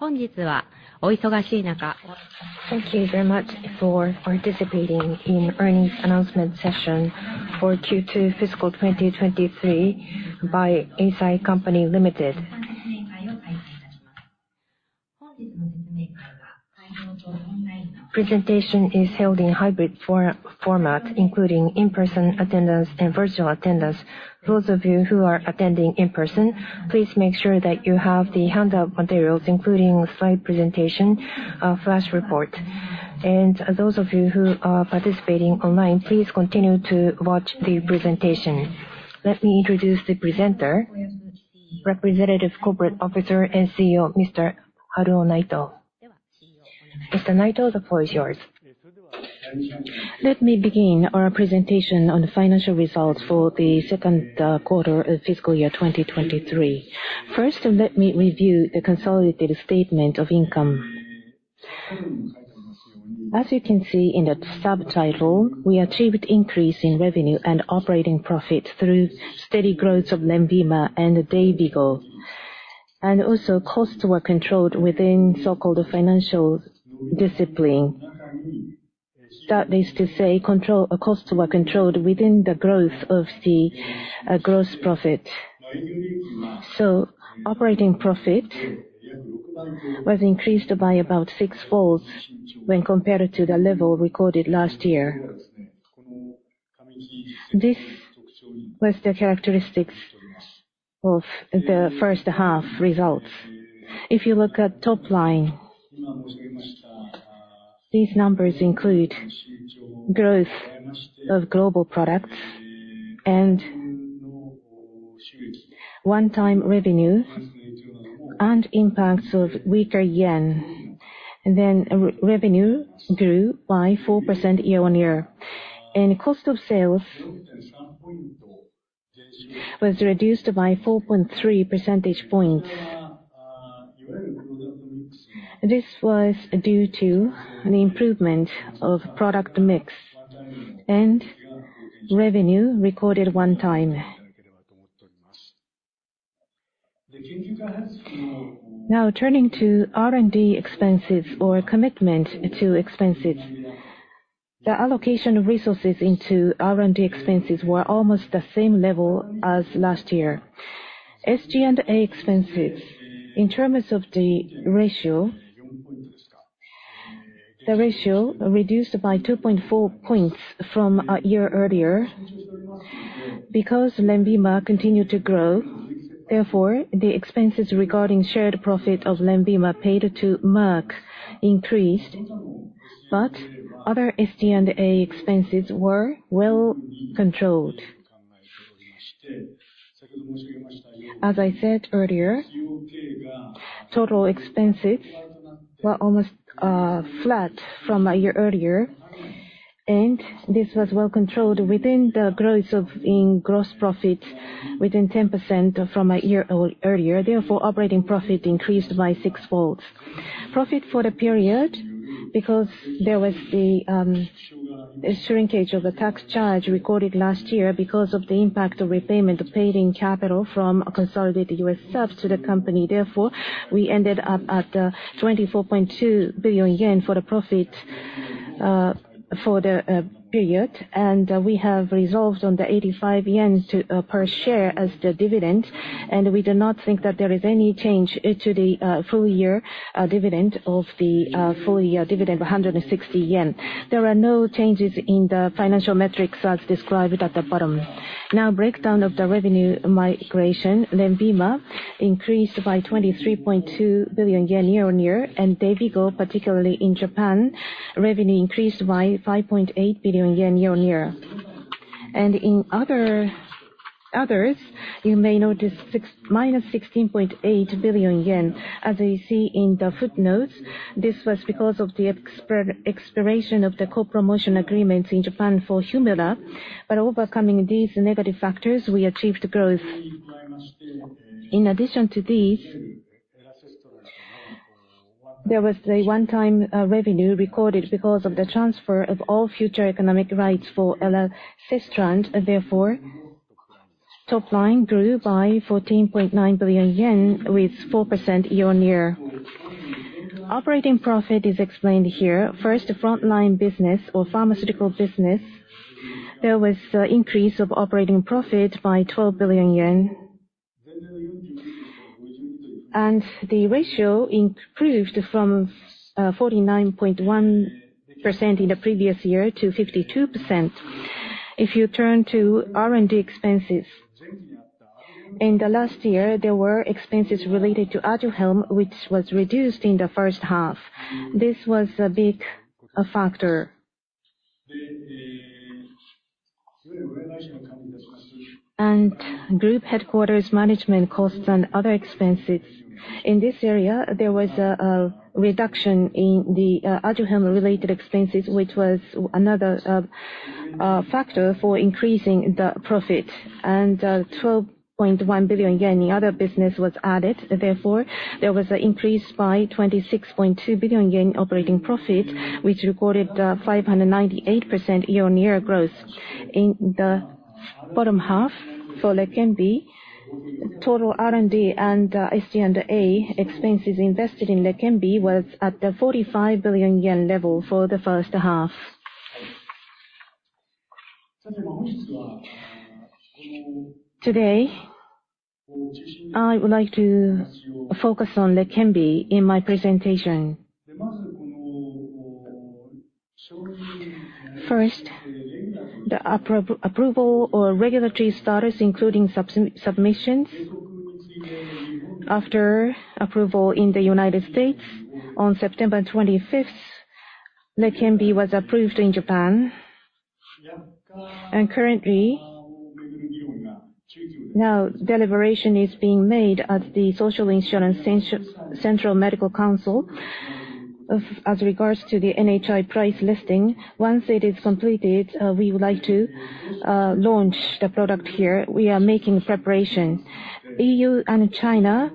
Thank you very much for participating in earnings announcement session for Q2 fiscal 2023 by Eisai Company Limited. Presentation is held in hybrid format, including in-person attendance and virtual attendance. Those of you who are attending in person, please make sure that you have the handout materials, including slide presentation, flash report. Those of you who are participating online, please continue to watch the presentation. Let me introduce the presenter, Representative Corporate Officer and CEO, Mr. Haruo Naito. Mr. Naito, the floor is yours. Let me begin our presentation on the financial results for the second quarter of fiscal year 2023. First, let me review the consolidated statement of income. As you can see in the subtitle, we achieved increase in revenue and operating profit through steady growth ofLENVIMA and DAYVIGO. And also, costs were controlled within so-called financial discipline. That means to say, costs were controlled within the growth of the gross profit. So operating profit was increased by about sixfold when compared to the level recorded last year. This was the characteristics of the first half results. If you look at top line, these numbers include growth of global products and one-time revenue and impacts of weaker yen. And then, revenue grew by 4% year-on-year, and cost of sales was reduced by 4.3 percentage points. This was due to an improvement of product mix and revenue recorded one time. Now, turning to R&D expenses or commitment to expenses. The allocation of resources into R&D expenses were almost the same level as last year. SG&A expenses, in terms of the ratio, the ratio reduced by 2.4 points from a year earlier. BecauseLENVIMA continued to grow, therefore, the expenses regarding shared profit ofLENVIMA paid to Merck increased, but other SG&A expenses were well controlled. As I said earlier, total expenses were almost flat from a year earlier, and this was well controlled within the growth of, in gross profit within 10% from a year earlier. Therefore, operating profit increased by sixfold. Profit for the period, because there was the shrinkage of a tax charge recorded last year because of the impact of repayment of paid-in capital from a consolidated US subs to the company. Therefore, we ended up at 24.2 billion yen for the profit for the period, and we have resolved on the 85 yen per share as the dividend, and we do not think that there is any change to the full year dividend of the full year dividend of 160 yen. There are no changes in the financial metrics as described at the bottom. Now, breakdown of the revenue migration. LENVIMA increased by 23.2 billion yen year-on-year, and DAYVIGO, particularly in Japan, revenue increased by 5.8 billion yen year-on-year. In others, you may notice -16.8 billion yen. As you see in the footnotes, this was because of the expiration of the co-promotion agreements in Japan for Humira. But overcoming these negative factors, we achieved growth. In addition to these, there was a one-time revenue recorded because of the transfer of all future economic rights for Elacestrant. Therefore, top line grew by 14.9 billion yen, with 4% year-on-year. Operating profit is explained here. First, frontline business or pharmaceutical business, there was increase of operating profit by 12 billion yen. The ratio improved from 49.1% in the previous year to 52%. If you turn to R&D expenses, in the last year, there were expenses related to Aduhelm, which was reduced in the first half. This was a big factor. Group headquarters management costs and other expenses, in this area, there was a reduction in the Aduhelm-related expenses, which was another factor for increasing the profit. And twelve point one billion yen in other business was added. Therefore, there was an increase by 26.2 billion yen operating profit, which recorded 598% year-on-year growth... in the bottom half for LEQEMBI. Total R&D and SG&A expenses invested in LEQEMBI was at the 45 billion yen level for the first half. Today, I would like to focus on LEQEMBI in my presentation. First, the approval or regulatory status, including submissions. After approval in the United States on September 25, LEQEMBI was approved in Japan. Currently, now deliberation is being made at the Social Insurance Central Medical Council as regards to the NHI price listing. Once it is completed, we would like to launch the product here. We are making preparation. EU and China,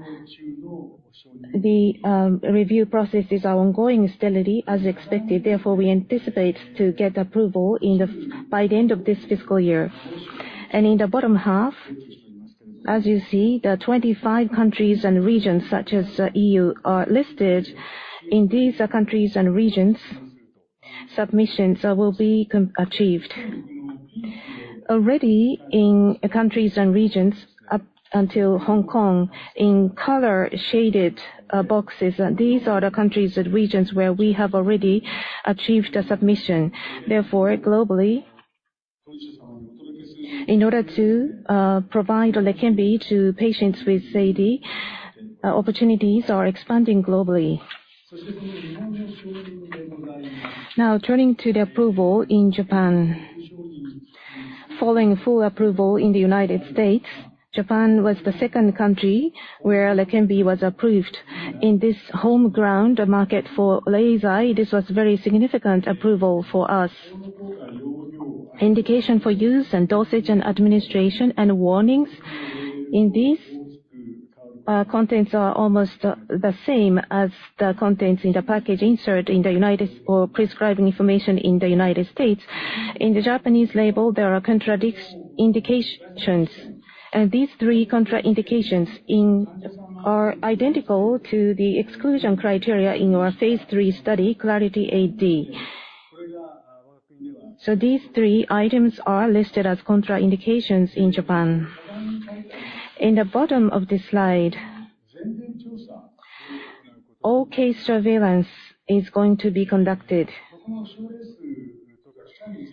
the review processes are ongoing steadily, as expected. Therefore, we anticipate to get approval by the end of this fiscal year. In the bottom half, as you see, the 25 countries and regions such as EU are listed. In these countries and regions, submissions will be achieved. Already in countries and regions up until Hong Kong, in color shaded boxes, these are the countries and regions where we have already achieved a submission. Therefore, globally, in order to provide LEQEMBI to patients with AD, opportunities are expanding globally. Now, turning to the approval in Japan. Following full approval in the United States, Japan was the second country where LEQEMBI was approved. In this home ground, the market for Eisai, this was a very significant approval for us. Indication for use and dosage and administration and warnings, in these contents are almost the same as the contents in the package insert in the United States or prescribing information in the United States. In the Japanese label, there are contraindications, and these three contraindications are identical to the exclusion criteria in our phase III study, Clarity AD. So these three items are listed as contraindications in Japan. In the bottom of this slide, all case surveillance is going to be conducted.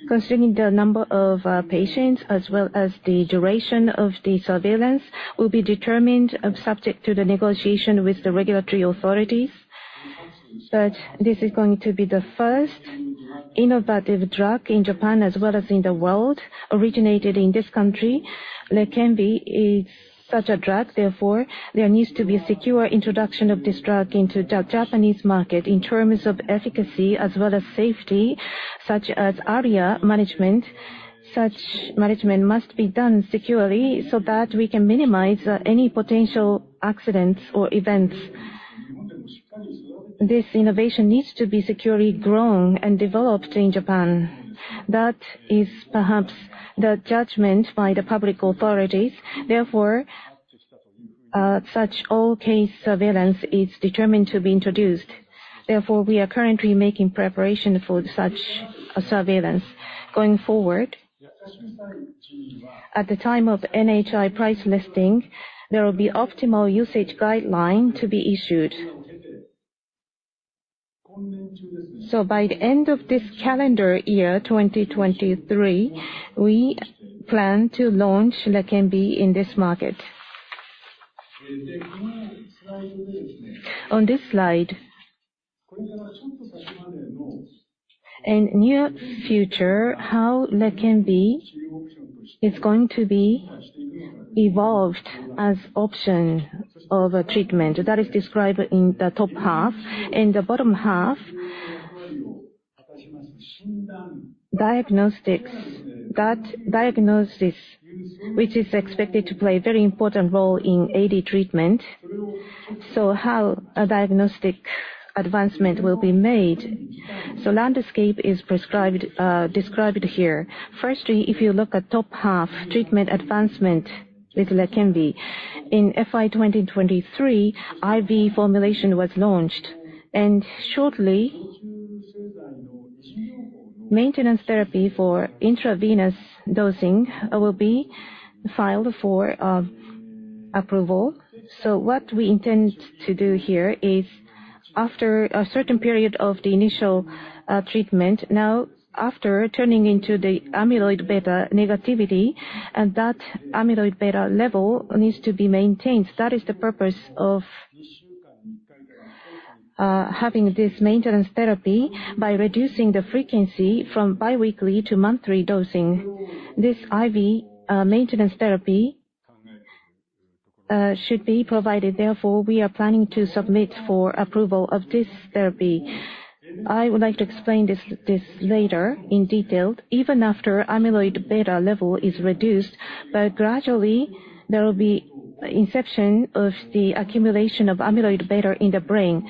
Concerning the number of patients, as well as the duration of the surveillance, will be determined subject to the negotiation with the regulatory authorities. But this is going to be the first innovative drug in Japan as well as in the world, originated in this country. LEQEMBI is such a drug, therefore, there needs to be a secure introduction of this drug into the Japanese market in terms of efficacy as well as safety, such as ARIA management. Such management must be done securely so that we can minimize any potential accidents or events. This innovation needs to be securely grown and developed in Japan. That is perhaps the judgment by the public authorities. Therefore, such all case surveillance is determined to be introduced. Therefore, we are currently making preparation for such a surveillance. Going forward, at the time of NHI price listing, there will be optimal usage guideline to be issued. So by the end of this calendar year, 2023, we plan to launch LEQEMBI in this market. On this slide, in near future, how LEQEMBI is going to be evolved as option of a treatment. That is described in the top half. In the bottom half, diagnostics. That diagnosis, which is expected to play a very important role in AD treatment, so how a diagnostic advancement will be made. So landscape is described here. Firstly, if you look at top half, treatment advancement with LEQEMBI. In FY 2023, IV formulation was launched, and shortly, maintenance therapy for intravenous dosing will be filed for approval. So what we intend to do here is, after a certain period of the initial treatment, now after turning into the amyloid beta negativity, and that amyloid beta level needs to be maintained. That is the purpose of having this maintenance therapy by reducing the frequency from bi-weekly to monthly dosing. This IV maintenance therapy should be provided; therefore, we are planning to submit for approval of this therapy. I would like to explain this later in detail. Even after Amyloid Beta level is reduced, but gradually there will be inception of the accumulation of Amyloid Beta in the brain,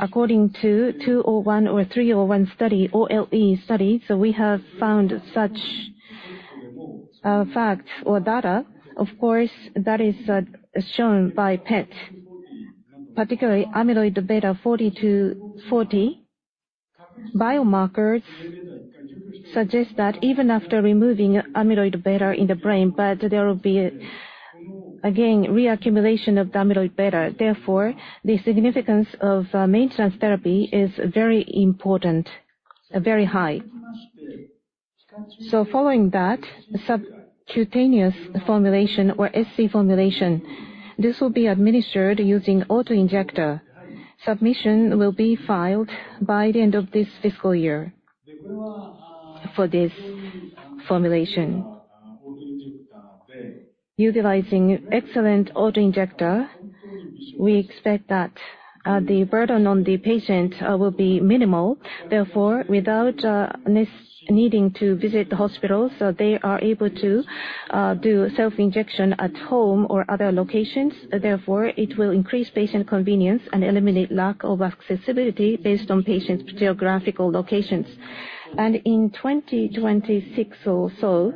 according to 201 or 301 study, OLE study, so we have found such facts or data. Of course, that is shown by PET. Particularly, Amyloid Beta 42 to 40 biomarkers suggest that even after removing Amyloid Beta in the brain, but there will be, again, reaccumulation of the Amyloid Beta. Therefore, the significance of maintenance therapy is very important, very high. So following that, subcutaneous formulation or SC formulation, this will be administered using auto-injector. Submission will be filed by the end of this fiscal year for this formulation. Utilizing excellent auto-injector, we expect that the burden on the patient will be minimal. Therefore, without this needing to visit the hospital, so they are able to do self-injection at home or other locations. Therefore, it will increase patient convenience and eliminate lack of accessibility based on patients' geographical locations. And in 2026 or so,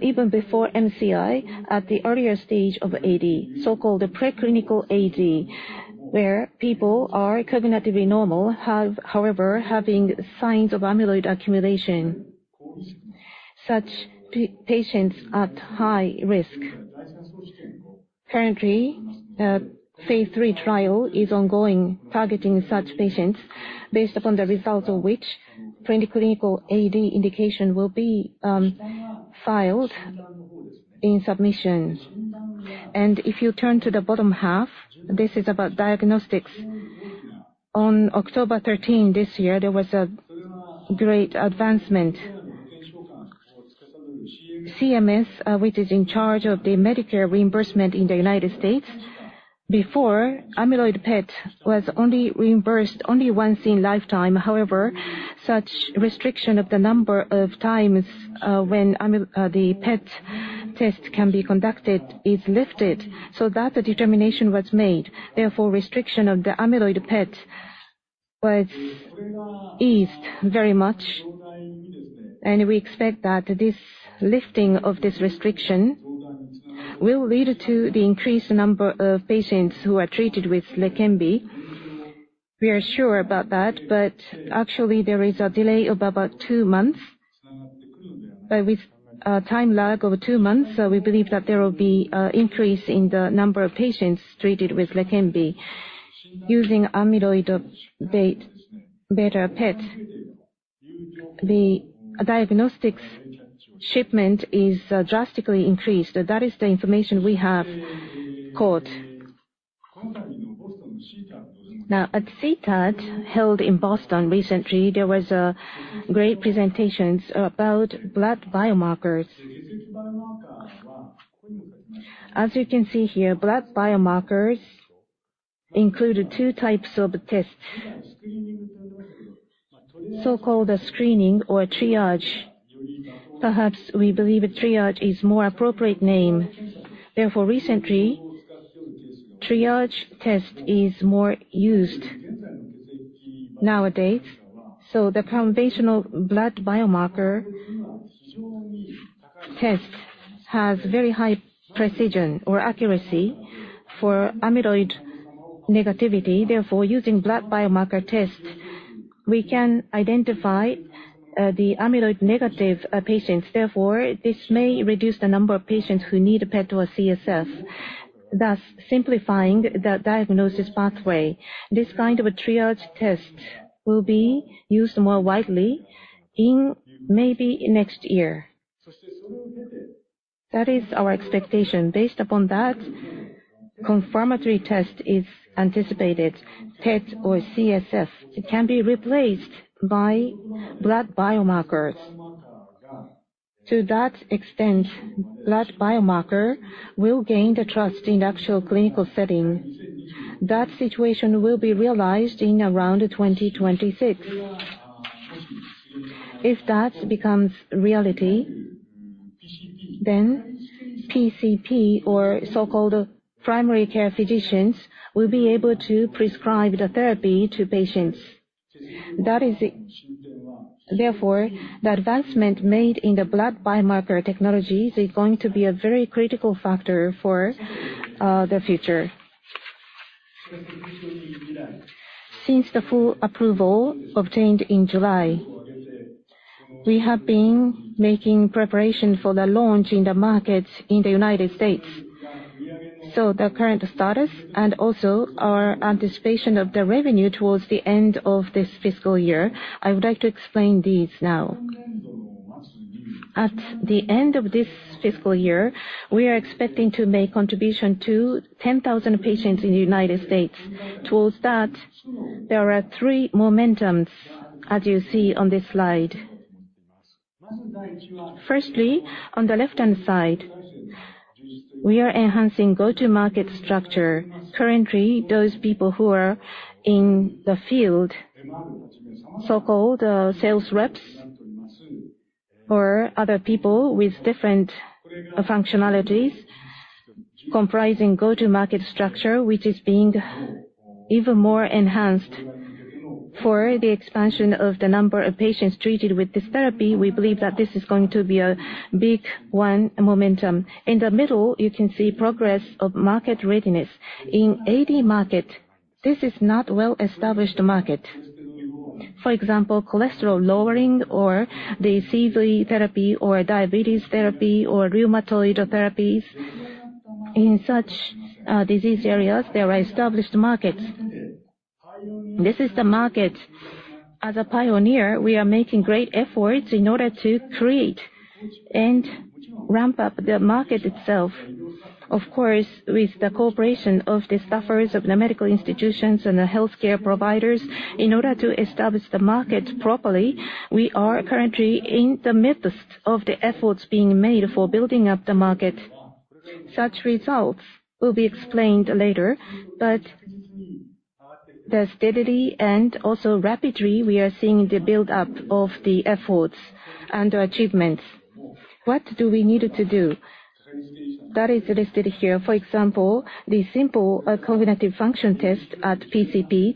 even before MCI, at the earlier stage of AD, so-called the preclinical AD, where people are cognitively normal, however, having signs of amyloid accumulation, such patients at high risk. Currently, phase III-trial is ongoing, targeting such patients. Based upon the results of which, preclinical AD indication will be filed in submissions. And if you turn to the bottom half, this is about diagnostics. On October 13 this year, there was a great advancement. CMS, which is in charge of the Medicare reimbursement in the United States, before, amyloid PET was only reimbursed only once in lifetime. However, such restriction of the number of times, when the PET test can be conducted is lifted, so that determination was made. Therefore, restriction of the amyloid PET was eased very much, and we expect that this lifting of this restriction will lead to the increased number of patients who are treated with LEQEMBI. We are sure about that, but actually there is a delay of about two months. But with a time lag of two months, so we believe that there will be increase in the number of patients treated with LEQEMBI using amyloid beta PET. The diagnostics shipment is drastically increased. That is the information we have got. Now, at CTAD, held in Boston recently, there was great presentations about blood biomarkers. As you can see here, blood biomarkers include two types of tests. So-called a screening or triage. Perhaps we believe a triage is more appropriate name. Therefore, recently, triage test is more used nowadays, so the conventional blood biomarker test has very high precision or accuracy for amyloid negativity. Therefore, using blood biomarker test, we can identify the amyloid negative patients. Therefore, this may reduce the number of patients who need a PET or CSF, thus simplifying the diagnosis pathway. This kind of a triage test will be used more widely in maybe next year. That is our expectation. Based upon that, confirmatory test is anticipated. PET or CSF, it can be replaced by blood biomarkers. To that extent, blood biomarker will gain the trust in actual clinical setting. That situation will be realized in around 2026. If that becomes reality, then PCP or so-called primary care physicians will be able to prescribe the therapy to patients. That is it. Therefore, the advancement made in the blood biomarker technologies is going to be a very critical factor for the future. Since the full approval obtained in July, we have been making preparation for the launch in the markets in the United States. So the current status and also our anticipation of the revenue towards the end of this fiscal year, I would like to explain these now. At the end of this fiscal year, we are expecting to make contribution to 10,000 patients in the United States. Towards that, there are three momentums, as you see on this slide. Firstly, on the left-hand side, we are enhancing go-to-market structure. Currently, those people who are in the field, so-called, sales reps or other people with different functionalities, comprising go-to-market structure, which is being even more enhanced for the expansion of the number of patients treated with this therapy. We believe that this is going to be a big one, momentum. In the middle, you can see progress of market readiness. In AD market, this is not well-established market. For example, cholesterol lowering or the CV therapy, or diabetes therapy, or rheumatoid therapies. In such, disease areas, there are established markets. This is the market. As a pioneer, we are making great efforts in order to create and ramp up the market itself. Of course, with the cooperation of the staffers of the medical institutions and the healthcare providers, in order to establish the market properly, we are currently in the midst of the efforts being made for building up the market. Such results will be explained later, but steadily and also rapidly, we are seeing the build-up of the efforts and achievements. What do we need to do? That is listed here. For example, the simple, cognitive function test at PCP,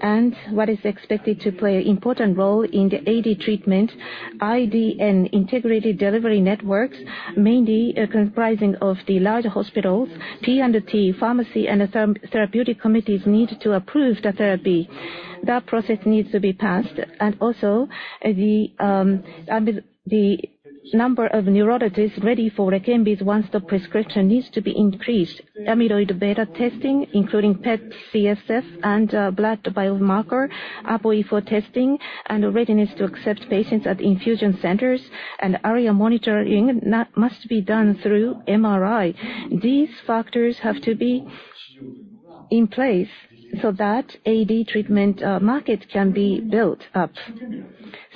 and what is expected to play an important role in the AD treatment, IDN integrated delivery networks, mainly, comprising of the larger hospitals, P&T, Pharmacy and Therapeutic Committees need to approve the therapy. That process needs to be passed, and also, the number of neurologists ready for LEQEMBI once the prescription needs to be increased. Amyloid Beta testing, including PET, CSF, and blood biomarker, APOE4 testing, and readiness to accept patients at infusion centers, and area monitoring, that must be done through MRI. These factors have to be in place so that AD treatment market can be built up.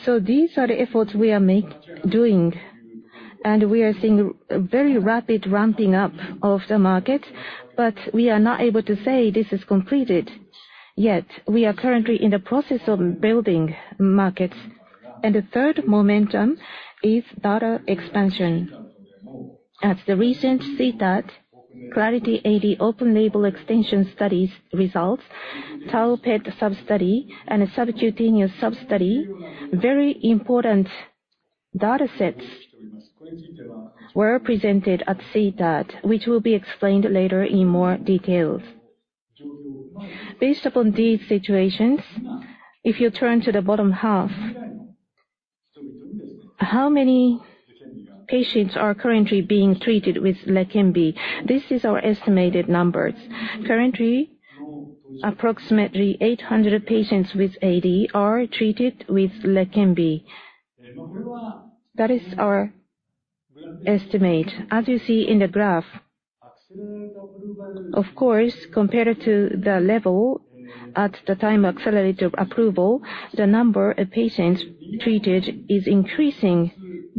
So these are the efforts we are doing, and we are seeing a very rapid ramping up of the market, but we are not able to say this is completed yet. We are currently in the process of building markets. And the third momentum is data expansion. At the recent CTAD, Clarity AD open label extension studies results, tau PET sub-study, and a subcutaneous sub-study, very important data sets were presented at CTAD, which will be explained later in more details. Based upon these situations, if you turn to the bottom half, how many patients are currently being treated with LEQEMBI? This is our estimated numbers. Currently, approximately 800 patients with AD are treated with LEQEMBI. That is our estimate. As you see in the graph, of course, compared to the level at the time of accelerated approval, the number of patients treated is increasing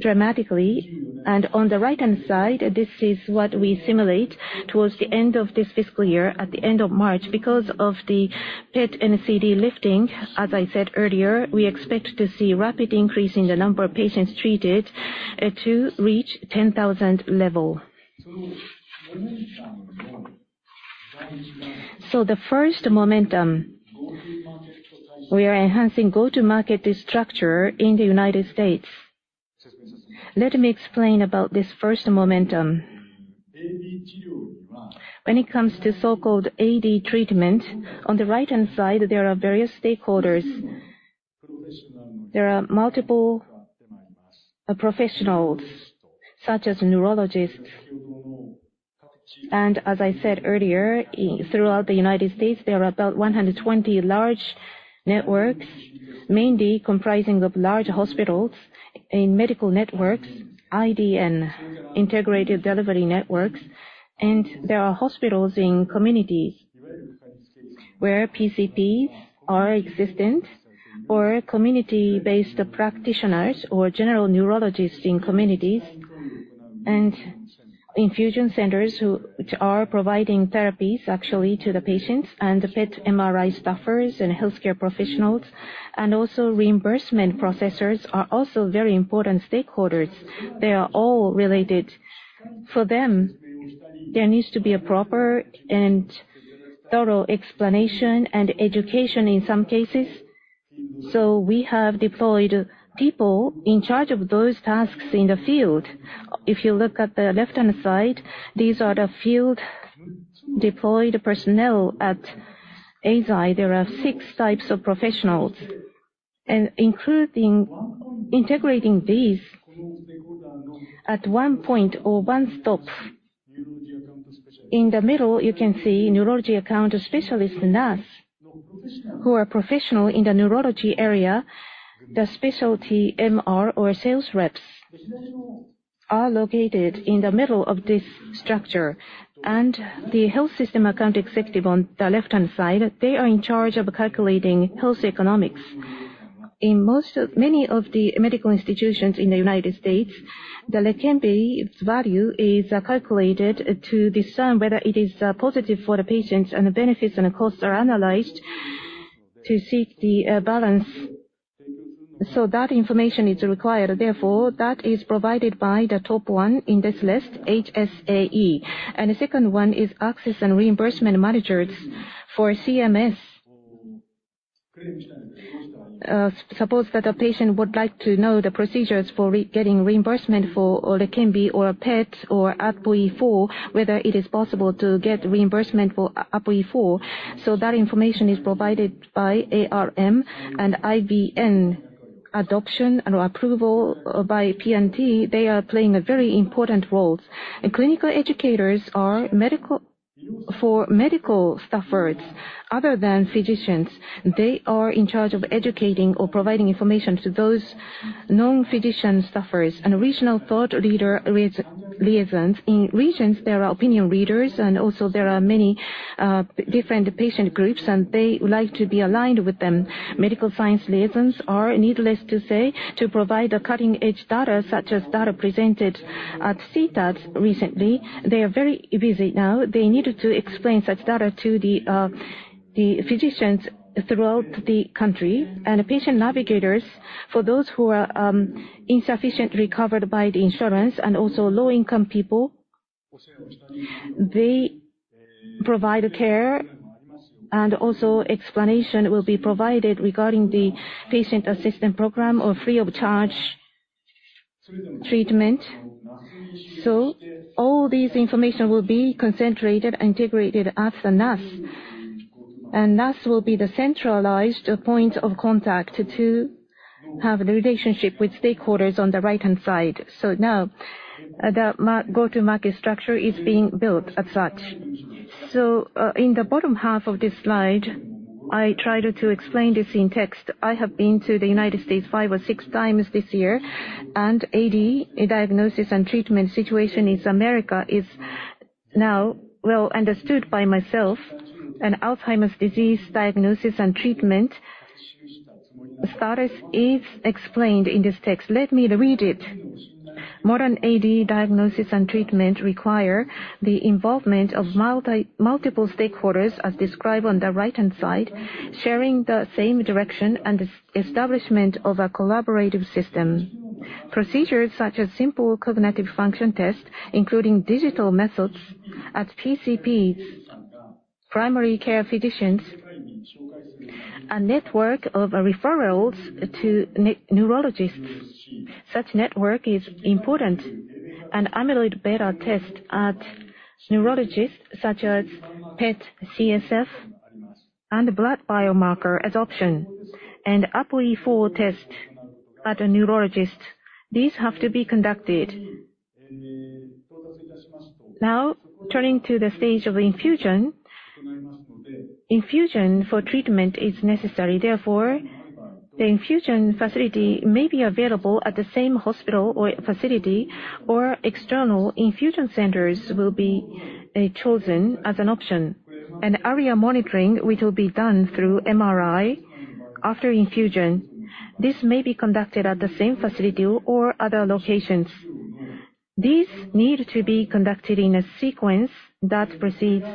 dramatically. And on the right-hand side, this is what we simulate towards the end of this fiscal year, at the end of March. Because of the PET and NCD lifting, as I said earlier, we expect to see rapid increase in the number of patients treated, to reach 10,000 level. So the first momentum, we are enhancing go-to-market structure in the United States. Let me explain about this first momentum. When it comes to so-called AD treatment, on the right-hand side, there are various stakeholders. There are multiple, professionals, such as neurologists. As I said earlier, throughout the United States, there are about 120 large networks, mainly comprising of large hospitals in medical networks, IDN and integrated delivery networks. There are hospitals in communities where PCPs are existent, or community-based practitioners, or general neurologists in communities, and infusion centers which are providing therapies actually to the patients, and the PET MRI staffers and healthcare professionals, and also reimbursement processors are also very important stakeholders. They are all related. For them, there needs to be a proper and thorough explanation and education in some cases, so we have deployed people in charge of those tasks in the field. If you look at the left-hand side, these are the field deployed personnel at Eisai. There are six types of professionals, and including integrating these at one point or one stop. In the middle, you can see neurology account specialists, nurses, who are professional in the neurology area. The specialty MR or sales reps are located in the middle of this structure. And the health system account executive on the left-hand side, they are in charge of calculating health economics. In most of many of the medical institutions in the United States, the LEQEMBI, its value is calculated to discern whether it is positive for the patients, and the benefits and the costs are analyzed to seek the balance. So that information is required, therefore, that is provided by the top one in this list, HSAE. And the second one is access and reimbursement managers for CMS. Suppose that a patient would like to know the procedures for getting reimbursement for, or there can be, or a PET or APOE4, whether it is possible to get reimbursement for APOE4. So that information is provided by ARM and IVN. Adoption or approval by P&T, they are playing a very important roles. And clinical educators are for medical staffers other than physicians. They are in charge of educating or providing information to those non-physician staffers. And regional thought leader liaisons. In regions, there are opinion leaders, and also there are many different patient groups, and they like to be aligned with them. Medical science liaisons are, needless to say, to provide a cutting-edge data, such as data presented at CTADs recently. They are very busy now. They needed to explain such data to the physicians throughout the country. Patient navigators, for those who are, insufficiently covered by the insurance and also low-income people, they provide care, and also explanation will be provided regarding the patient assistance program or free of charge treatment. So all this information will be concentrated and integrated at the NAS. And NAS will be the centralized point of contact to have the relationship with stakeholders on the right-hand side. So now, the go-to-market structure is being built as such. So, in the bottom half of this slide, I tried to explain this in text. I have been to the United States five or six times this year, and AD, diagnosis and treatment situation in America is now well understood by myself, and Alzheimer's disease diagnosis and treatment status is explained in this text. Let me read it. Modern AD diagnosis and treatment require the involvement of multiple stakeholders, as described on the right-hand side, sharing the same direction and establishment of a collaborative system. Procedures such as simple cognitive function test, including digital methods at PCPs, primary care physicians, a network of referrals to neurologists. Such network is important. An Amyloid Beta test at neurologists, such as PET, CSF, and blood biomarker as option, and APOE4 test at a neurologist. These have to be conducted. Now, turning to the stage of infusion. Infusion for treatment is necessary, therefore, the infusion facility may be available at the same hospital or facility, or external infusion centers will be chosen as an option. ARIA monitoring, which will be done through MRI after infusion, this may be conducted at the same facility or other locations. These need to be conducted in a sequence that proceeds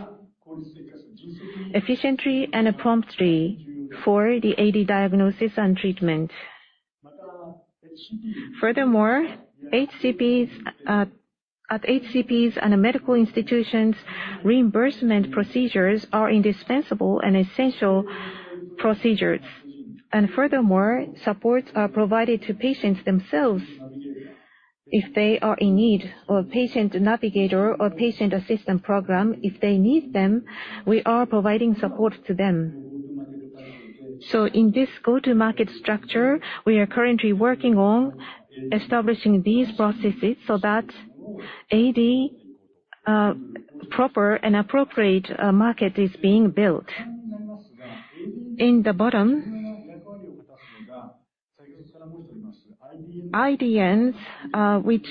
efficiently and promptly for the AD diagnosis and treatment. Furthermore, HCPs at HCPs and medical institutions, reimbursement procedures are indispensable and essential procedures. Furthermore, supports are provided to patients themselves if they are in need, or patient navigator or patient assistant program, if they need them, we are providing support to them. So in this go-to-market structure, we are currently working on establishing these processes so that AD proper and appropriate market is being built. In the bottom, IDNs, which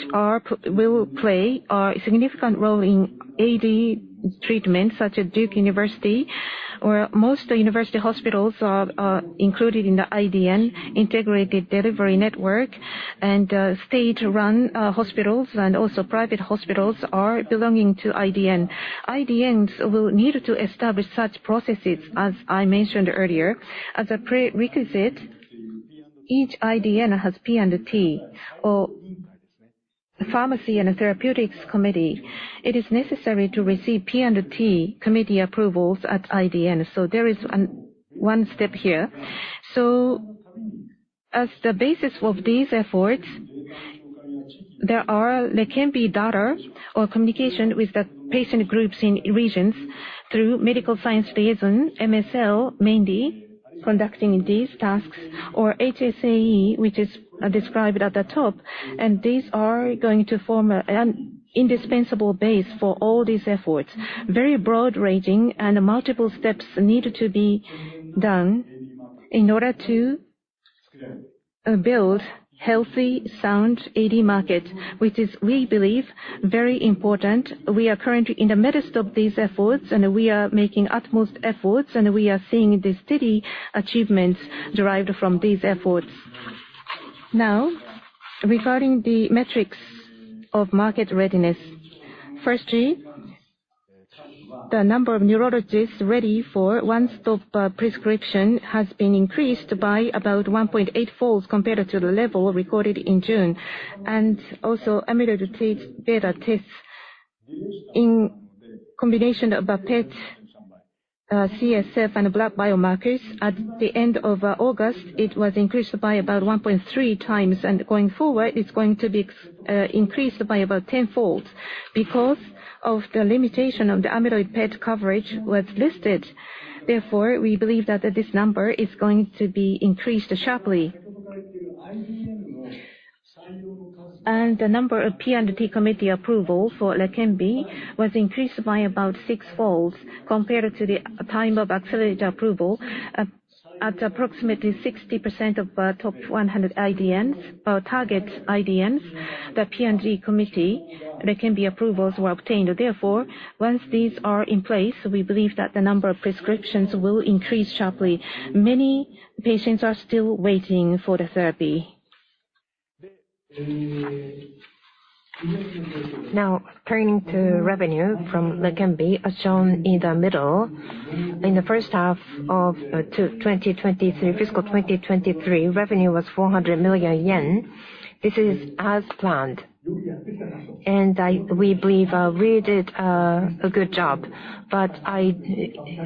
will play a significant role in AD treatment, such as Duke University, where most university hospitals are, are included in the IDN, Integrated Delivery Network, and state-run hospitals and also private hospitals are belonging to IDN. IDNs will need to establish such processes, as I mentioned earlier. As a prerequisite, each IDN has P and T, or Pharmacy and Therapeutics Committee. It is necessary to receive P and T committee approvals at IDN, so there is one step here. So as the basis of these efforts, there can be data or communication with the patient groups in regions through Medical Science Liaison, MSL, mainly conducting these tasks, or HSAE, which is described at the top. And these are going to form an indispensable base for all these efforts. Very broad-ranging and multiple steps needed to be done in order to build healthy, sound AD market, which is, we believe, very important. We are currently in the midst of these efforts, and we are making utmost efforts, and we are seeing the steady achievements derived from these efforts. Now, regarding the metrics of market readiness. Firstly, the number of neurologists ready for one-stop prescription has been increased by about 1.8-fold compared to the level recorded in June. And also, Amyloid Beta tests in combination of a PET, CSF and blood biomarkers. At the end of August, it was increased by about 1.3 times, and going forward, it's going to be increased by about tenfold because of the limitation of the Amyloid PET coverage was listed. Therefore, we believe that this number is going to be increased sharply. And the number of P&T committee approval for LEQEMBI was increased by about 6-fold compared to the time of accelerated approval. At approximately 60% of our top 100 IDNs, our target IDNs, the P&T committee LEQEMBI approvals were obtained. Therefore, once these are in place, we believe that the number of prescriptions will increase sharply. Many patients are still waiting for the therapy. Now, turning to revenue from LEQEMBI, as shown in the middle. In the first half of 2023, fiscal 2023, revenue was 400 million yen. This is as planned, and we believe we did a good job. But I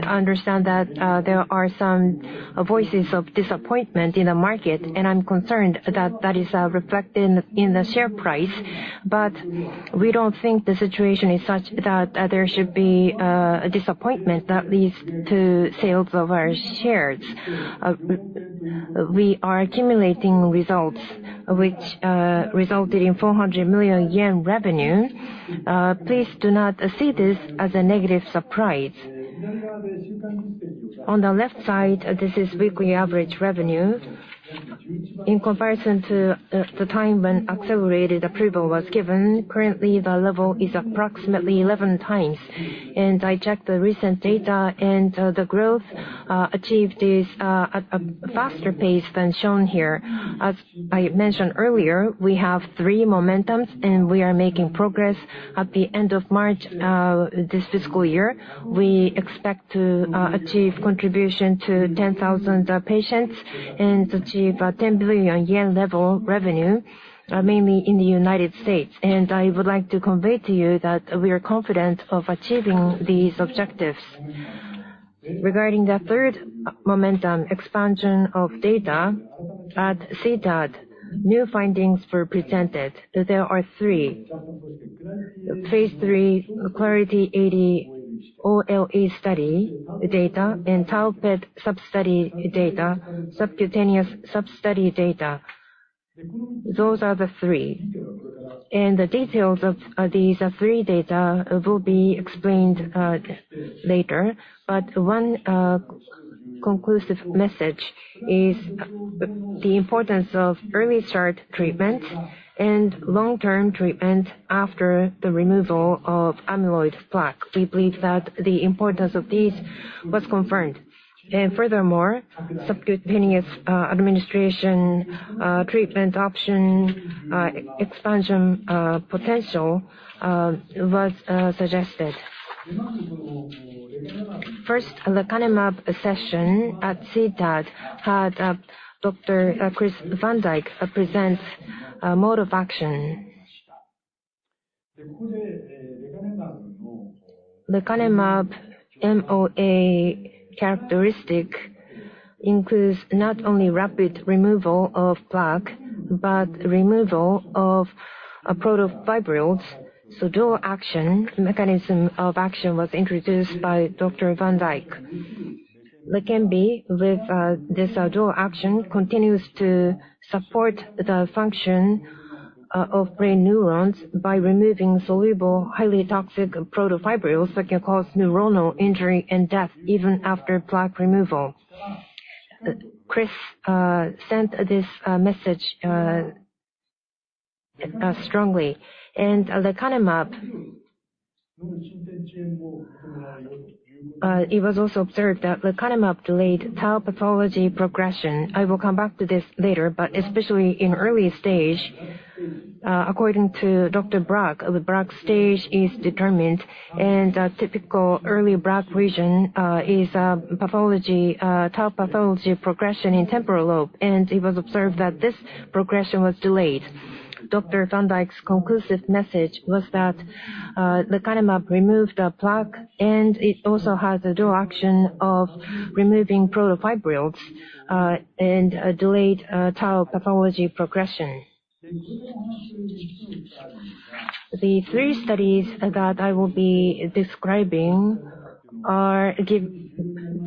understand that there are some voices of disappointment in the market, and I'm concerned that that is reflected in the share price. But we don't think the situation is such that there should be disappointment that leads to sales of our shares. We are accumulating results which resulted in 400 million yen revenue. Please do not see this as a negative surprise. On the left side, this is weekly average revenue. In comparison to the time when accelerated approval was given, currently, the level is approximately 11 times, and I checked the recent data, and the growth achieved is at a faster pace than shown here. As I mentioned earlier, we have three momentums, and we are making progress. At the end of March this fiscal year, we expect to achieve contribution to 10,000 patients and achieve a 10 billion yen level revenue, mainly in the United States. And I would like to convey to you that we are confident of achieving these objectives. Regarding the third momentum, expansion of data at CTAD, new findings were presented. There are three: Phase III CLARITY AD-OLE study data and tau PET substudy data, subcutaneous substudy data. Those are the three. And the details of these three data will be explained later. But one conclusive message is the importance of early start treatment and long-term treatment after the removal of amyloid plaque. We believe that the importance of this was confirmed. And furthermore, subcutaneous administration treatment option expansion potential was suggested. First, lecanemab session at CTAD had Dr. Chris Van Dyck present mode of action. Lecanemab MOA characteristic includes not only rapid removal of plaque, but removal of protofibrils. So dual action, mechanism of action, was introduced by Dr. Van Dyck. LEQEMBI, with this dual action, continues to support the function of brain neurons by removing soluble, highly toxic protofibrils that can cause neuronal injury and death even after plaque removal. Chris sent this message strongly. And lecanemab, it was also observed that lecanemab delayed tau pathology progression. I will come back to this later, but especially in early stage, according to Dr. Braak, the Braak stage is determined, and a typical early Braak region is pathology, tau pathology progression in temporal lobe, and it was observed that this progression was delayed. Dr. Van Dyck's conclusive message was that Lecanemab removed the plaque, and it also has a dual action of removing protofibrils and delayed tau pathology progression. The three studies that I will be describing are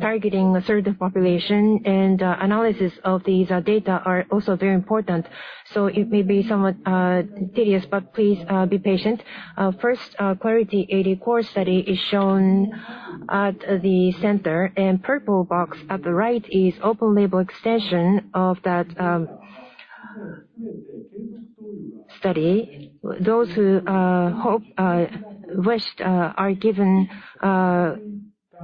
targeting a certain population, and analysis of these data are also very important. So it may be somewhat tedious, but please be patient. First, Clarity AD core study is shown at the center, and purple box at the right is open label extension of that. study, those who hope wished are given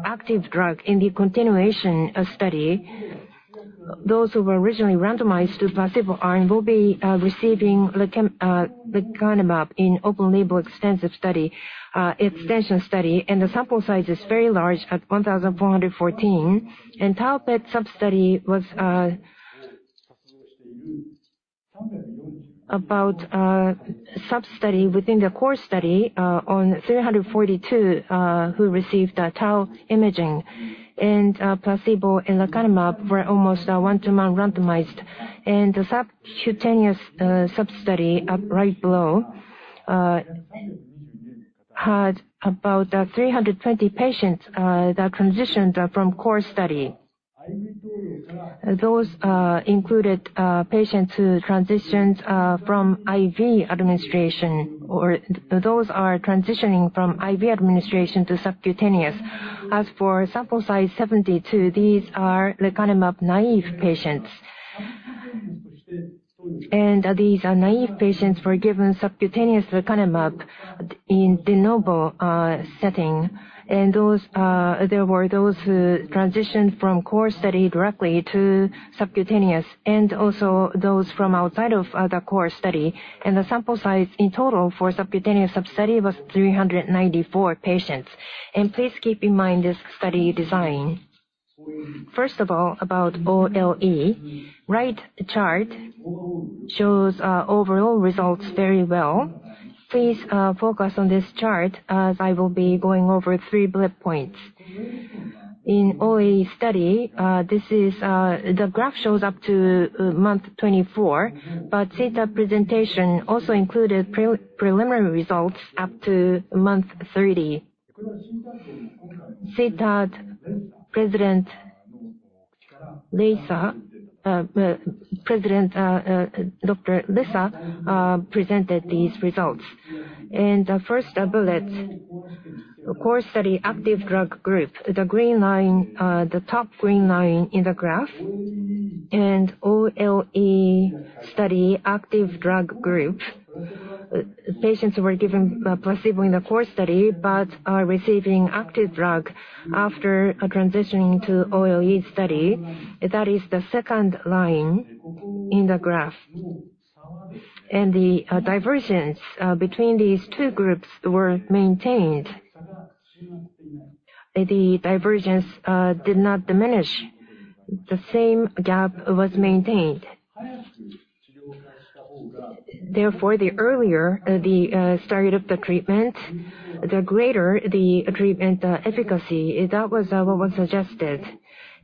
active drug in the continuation of study, those who were originally randomized to placebo arm will be receiving lecanemab in open label extensive study extension study, and the sample size is very large at 1,414. tau PET sub-study was a sub-study within the core study on 342 who received a tau imaging. Placebo and lecanemab were almost 1:1 randomized. The subcutaneous sub-study right below had about 320 patients that transitioned from core study. Those included patients who transitioned from IV administration, or those are transitioning from IV administration to subcutaneous. As for sample size 72, these are lecanemab naive patients. These naive patients were given subcutaneous lecanemab in de novo setting. Those who transitioned from core study directly to subcutaneous, and also those from outside of the core study. The sample size in total for subcutaneous sub-study was 394 patients. Please keep in mind this study design. First of all, about OLE. Right chart shows overall results very well. Please focus on this chart, as I will be going over 3 bullet points. In OLE study, this is the graph shows up to month 24, but data presentation also included preliminary results up to month 30. At CTAD, Dr. Lisa presented these results. The first bullet, core study active drug group, the green line, the top green line in the graph, and OLE study active drug group. Patients were given placebo in the core study, but are receiving active drug after transitioning to OLE study. That is the second line in the graph. The divergence between these two groups were maintained. The divergence did not diminish. The same gap was maintained. Therefore, the earlier the started up the treatment, the greater the treatment efficacy. That was what was suggested,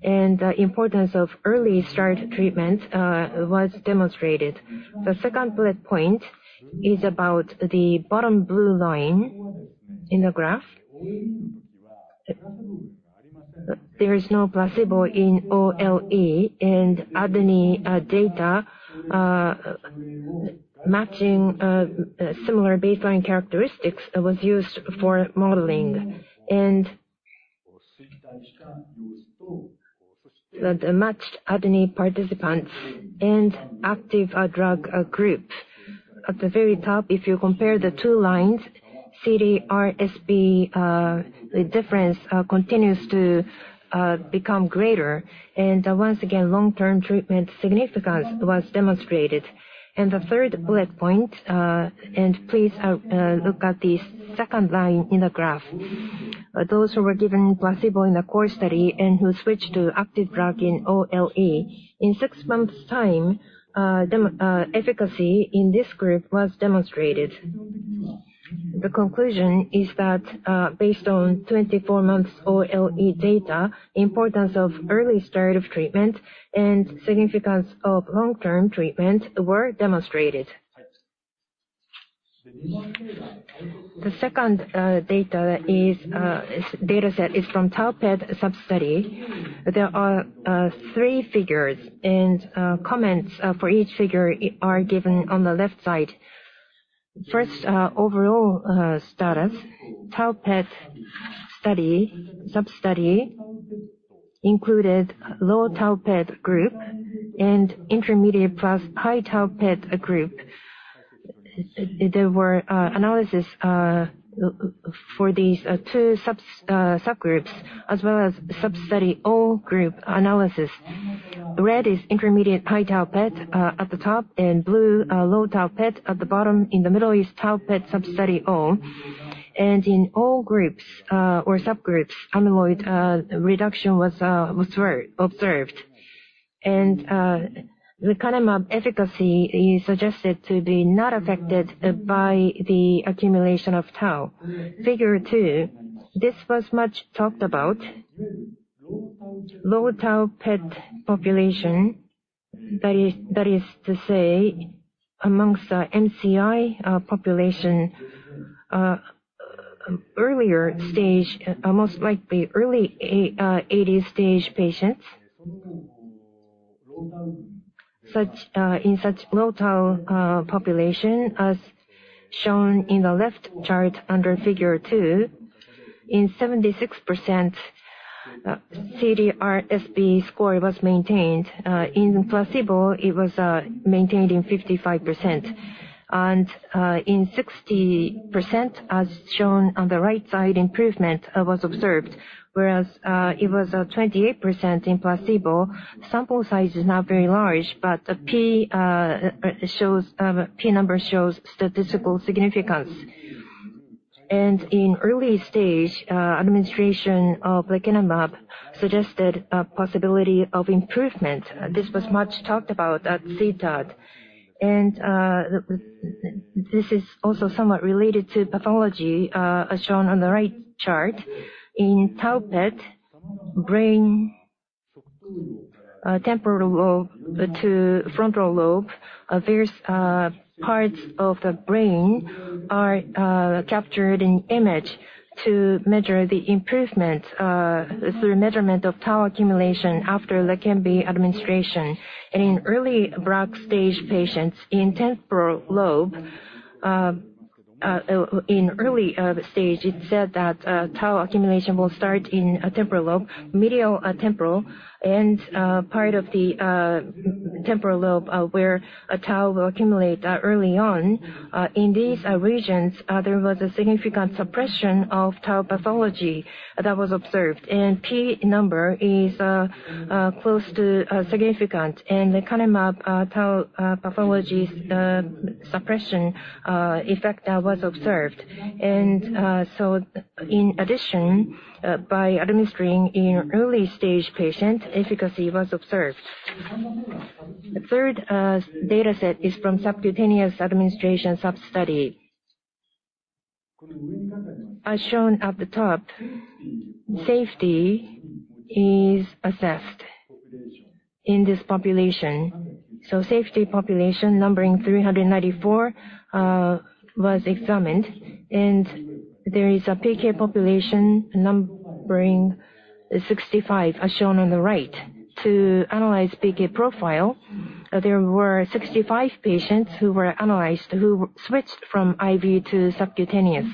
and the importance of early start treatment was demonstrated. The second bullet point is about the bottom blue line in the graph. There is no placebo in OLE, and ADNI data matching similar baseline characteristics was used for modeling. The matched ADNI participants and active drug group. At the very top, if you compare the two lines, CDR-SB, the difference continues to become greater, and once again, long-term treatment significance was demonstrated. The third bullet point, please look at the second line in the graph. Those who were given placebo in the core study and who switched to active drug in OLE, in 6 months' time, demonstrated efficacy in this group was demonstrated. The conclusion is that, based on 24 months OLE data, importance of early start of treatment and significance of long-term treatment were demonstrated. The second data set is from tau PET sub-study. There are three figures, and comments for each figure are given on the left side. First, overall status.N tau PET study, sub-study included low tau PET group and intermediate plus high tau PET group. There were analysis for these two subs subgroups, as well as sub-study all group analysis. Red is intermediate high tau PET at the top, and blue low tau PET at the bottom. In the middle is tau PET sub-study all. And in all groups or subgroups, amyloid reduction was was very observed. And lecanemab efficacy is suggested to be not affected by the accumulation of tau. Figure two, this was much talked about. Low tau PET population, that is, that is to say, amongst the MCI population, earlier stage most likely early A- AD stage patients. Such in such low tau population, as-... Shown in the left chart under Figure 2, in 76%, CDR-SB score was maintained. In placebo, it was maintained in 55%. And, in 60%, as shown on the right side, improvement was observed, whereas, it was 28% in placebo. Sample size is not very large, but the p shows, p number shows statistical significance. And in early stage, administration of lecanemab suggested a possibility of improvement. This was much talked about at CTAD. And, this is also somewhat related to pathology, as shown on the right chart. In tau PET, brain, temporal to frontal lobe, various parts of the brain are captured in image to measure the improvement, through measurement of tau accumulation after lecanemab administration. In early Braak stage patients, in temporal lobe, in early stage, it's said that tau accumulation will start in a temporal lobe, medial temporal, and part of the temporal lobe where a tau will accumulate early on. In these regions, there was a significant suppression of tau pathology that was observed, and p number is close to significant, and Lecanemab tau pathology suppression effect was observed. So in addition, by administering in early stage patient, efficacy was observed. The third data set is from subcutaneous administration substudy. As shown at the top, safety is assessed in this population, so safety population numbering 394 was examined, and there is a PK population numbering 65, as shown on the right. To analyze PK profile, there were 65 patients who were analyzed, who switched from IV to subcutaneous.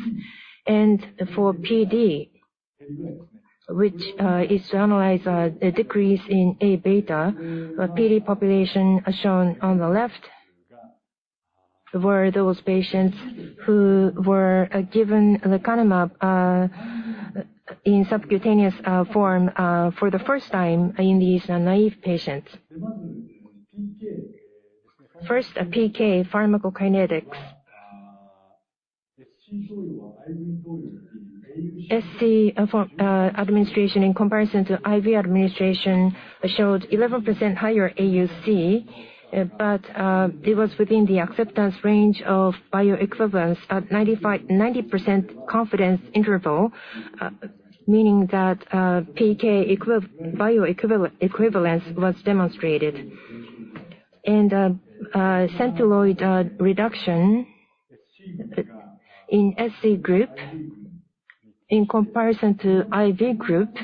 And for PD, which is to analyze a decrease in A-beta, PD population, as shown on the left, were those patients who were given lecanemab in subcutaneous form for the first time in these naive patients. First, a PK pharmacokinetics. SC for administration in comparison to IV administration showed 11% higher AUC, but it was within the acceptance range of bioequivalence at 90% confidence interval, meaning that PK bioequivalence was demonstrated. And, centiloid reduction in SC group, in comparison to IV group,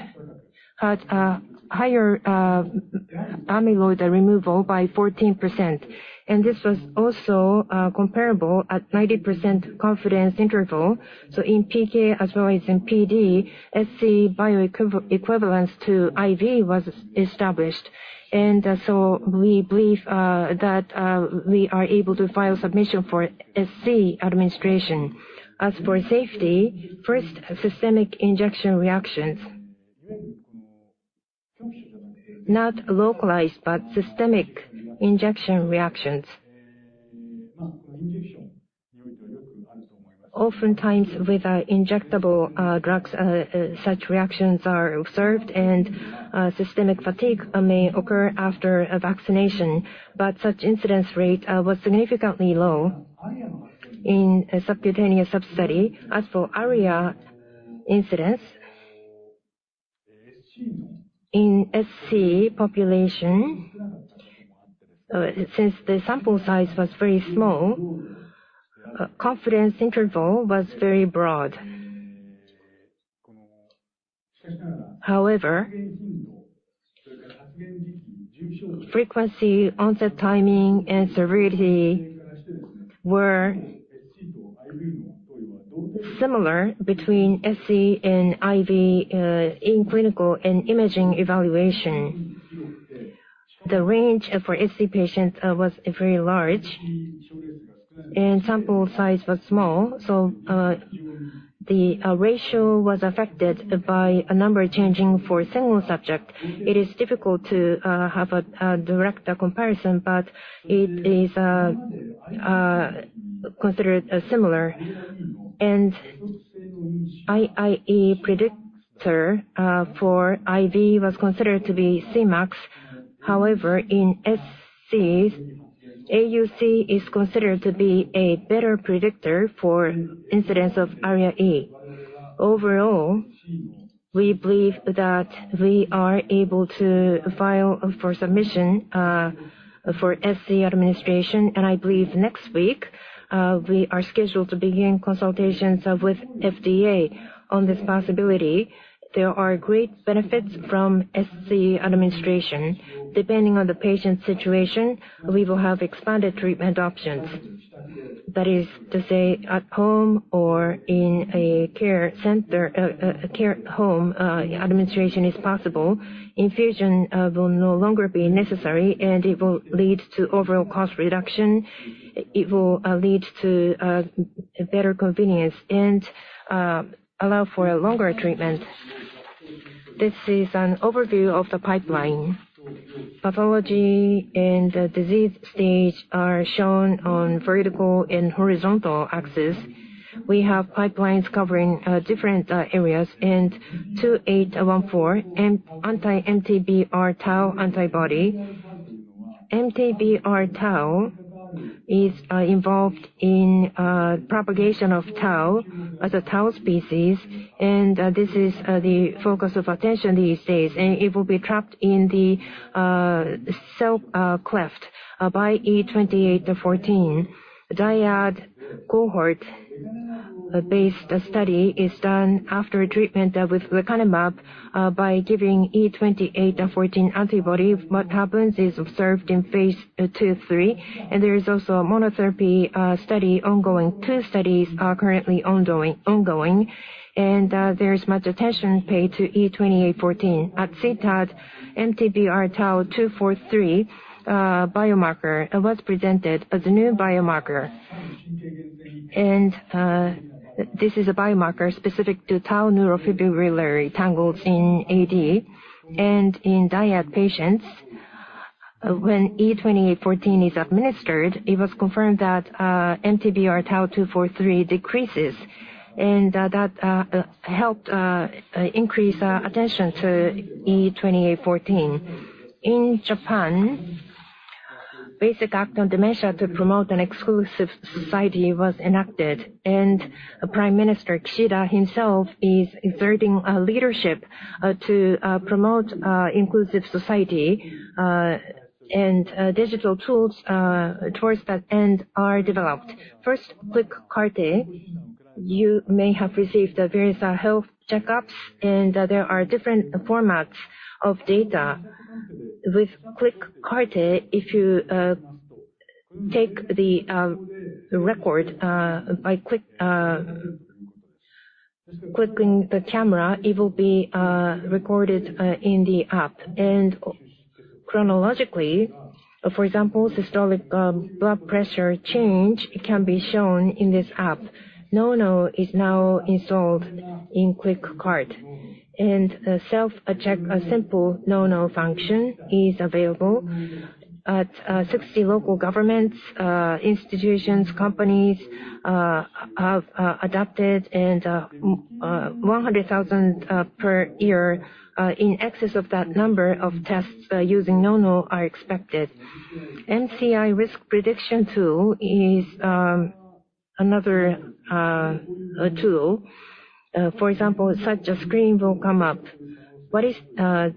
had a higher amyloid removal by 14%, and this was also comparable at 90% confidence interval. So in PK, as well as in PD, SC bioequivalence to IV was established. So we believe that we are able to file submission for SC administration. As for safety, first, systemic injection reactions. Not localized, but systemic injection reactions. Oftentimes, with injectable drugs, such reactions are observed, and systemic fatigue may occur after a vaccination, but such incidence rate was significantly low in a subcutaneous substudy. As for ARIA incidence, in SC population, since the sample size was very small, confidence interval was very broad. However, frequency, onset timing, and severity were similar between SC and IV in clinical and imaging evaluation. The range for SC patients was very large, and sample size was small, so the ratio was affected by a number changing for a single subject. It is difficult to have a direct comparison, but it is considered similar. AE predictor for IV was considered to be C-max. However, in SCs, AUC is considered to be a better predictor for incidence of ARIA. Overall, we believe that we are able to file for submission for SC administration, and I believe next week we are scheduled to begin consultations with FDA on this possibility. There are great benefits from SC administration. Depending on the patient's situation, we will have expanded treatment options. That is to say, at home or in a care center, a care home, administration is possible. Infusion will no longer be necessary, and it will lead to overall cost reduction. It will lead to a better convenience, and allow for a longer treatment. This is an overview of the pipeline. Pathology and the disease stage are shown on vertical and horizontal axis. We have pipelines covering different areas, and 2814, and anti-MTBR-tau antibody. MTBR-tau is involved in propagation of tau, as a tau species, and this is the focus of attention these days, and it will be trapped in the cell cleft by E2814. DIAN cohort-based study is done after treatment with lecanemab by giving E2814 antibody. What happens is observed in phase II, III, and there is also a monotherapy study ongoing. Two studies are currently ongoing, and there is much attention paid to E2814. At CTAD, MTBR-tau243 biomarker was presented as a new biomarker. This is a biomarker specific to tau neurofibrillary tangles in AD. In DIAN patients, when E2814 is administered, it was confirmed that MTBR-tau243 decreases, and that helped increase attention to E2814. In Japan, Basic Act on Dementia to Promote an Inclusive Society was enacted, and Prime Minister Kishida himself is exerting leadership to promote inclusive society. Digital tools towards that end are developed. First, Quick-Carte. You may have received various health checkups, and there are different formats of data. With Quick-Carte, if you take the record by clicking the camera, it will be recorded in the app. Chronologically, for example, systolic blood pressure change can be shown in this app. NouKNOW is now installed in CLINICS, and self-check, a simple NouKNOW function is available. At 60 local governments, institutions, companies have adapted and 100,000 per year in excess of that number of tests using NouKNOW are expected. MCI risk prediction tool is another tool. For example, such a screen will come up. What is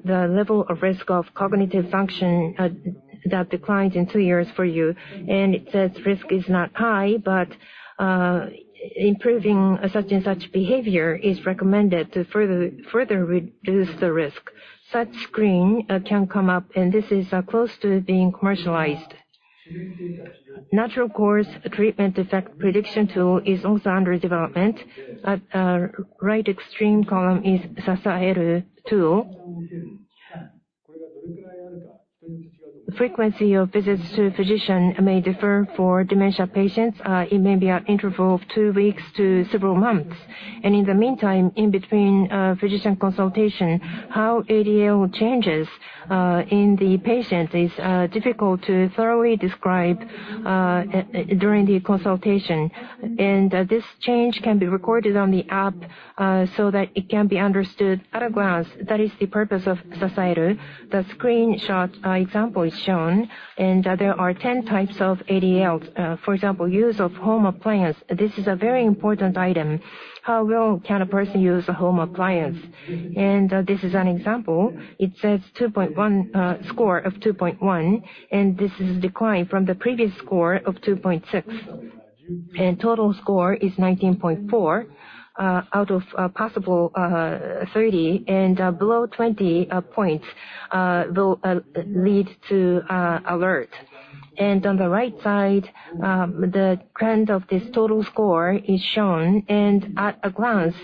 the level of risk of cognitive function that declines in two years for you? And it says risk is not high, but improving such and such behavior is recommended to further reduce the risk. Such screen can come up, and this is close to being commercialized. Natural course treatment effect prediction tool is also under development. At right extreme column is Sasaeru tool. The frequency of visits to a physician may differ for dementia patients. It may be an interval of two weeks to several months. And in the meantime, in between, physician consultation, how ADL changes in the patient is difficult to thoroughly describe during the consultation. And, this change can be recorded on the app, so that it can be understood at a glance. That is the purpose of Sasaeru. The screenshot example is shown, and there are 10 types of ADLs. For example, use of home appliance. This is a very important item. How well can a person use a home appliance? And, this is an example. It says 2.1, score of 2.1, and this is a decline from the previous score of 2.6. Total score is 19.4 out of a possible 30, and below 20 points will lead to alert. On the right side, the trend of this total score is shown, and at a glance,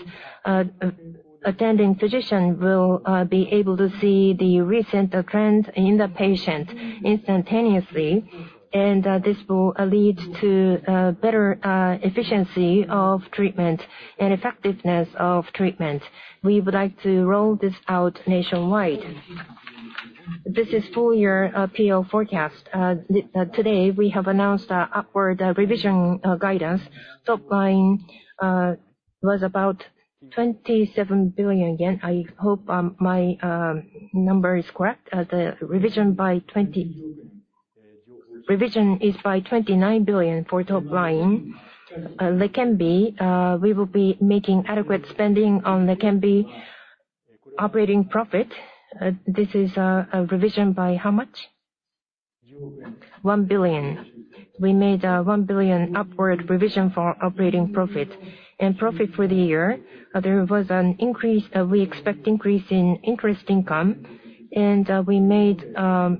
attending physician will be able to see the recent trend in the patient instantaneously, and this will lead to better efficiency of treatment and effectiveness of treatment. We would like to roll this out nationwide. This is full year PO forecast. Today, we have announced an upward revision guidance. Top line was about 27 billion yen. I hope my number is correct. The revision is by 29 billion for top line. LEQEMBI, we will be making adequate spending on LEQEMBI operating profit. This is a revision by how much? 1 billion. We made a 1 billion upward revision for operating profit. And profit for the year, there was an increase, we expect increase in interest income, and we made 4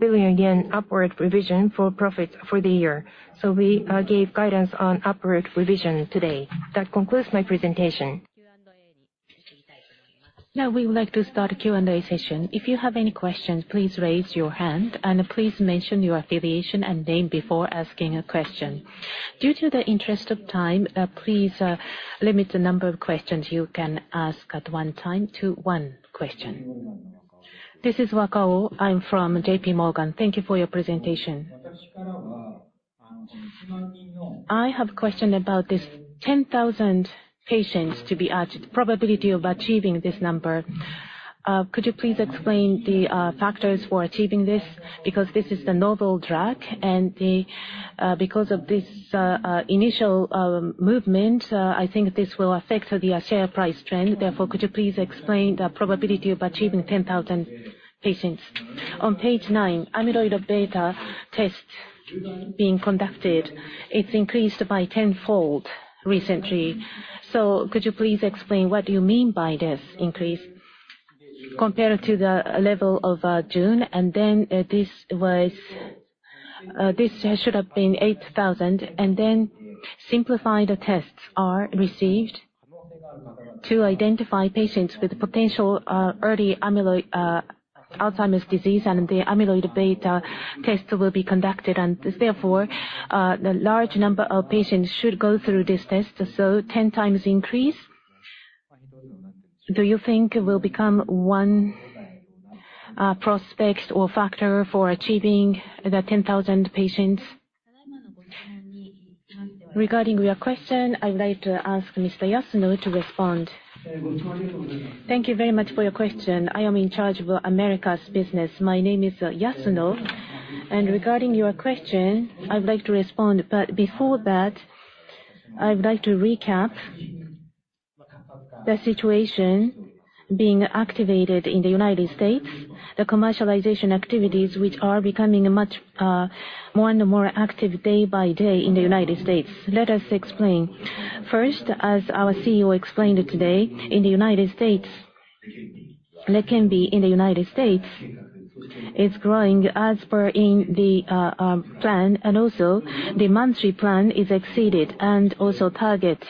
billion yen upward revision for profit for the year. So we gave guidance on upward revision today. That concludes my presentation. Now we would like to start Q&A session. If you have any questions, please raise your hand, and please mention your affiliation and name before asking a question. In the interest of time, please limit the number of questions you can ask at one time to one question. This is Wakao. I'm from J.P. Morgan. Thank you for your presentation. I have a question about this 10,000 patients to be added, probability of achieving this number. Could you please explain the factors for achieving this? Because this is the novel drug and the... Because of this initial movement, I think this will affect the share price trend. Therefore, could you please explain the probability of achieving 10,000 patients? On page nine, amyloid beta test being conducted, it's increased by tenfold recently. So could you please explain what you mean by this increase compared to the level of June? And then, this was this should have been 8,000, and then simplified tests are received to identify patients with potential early amyloid Alzheimer's disease, and the amyloid beta test will be conducted. And therefore, the large number of patients should go through this test. So 10x increase, do you think will become one, prospect or factor for achieving the 10,000 patients? Regarding your question, I'd like to ask Mr. Yasuno to respond. Thank you very much for your question. I am in charge of America's business. My name is Yasuno, and regarding your question, I'd like to respond. But before that, I would like to recap the situation being activated in the United States, the commercialization activities which are becoming much more and more active day by day in the United States. Let us explain. First, as our CEO explained today, in the United States, LEQEMBI in the United States is growing as per the plan, and also the monthly plan is exceeded, and also targets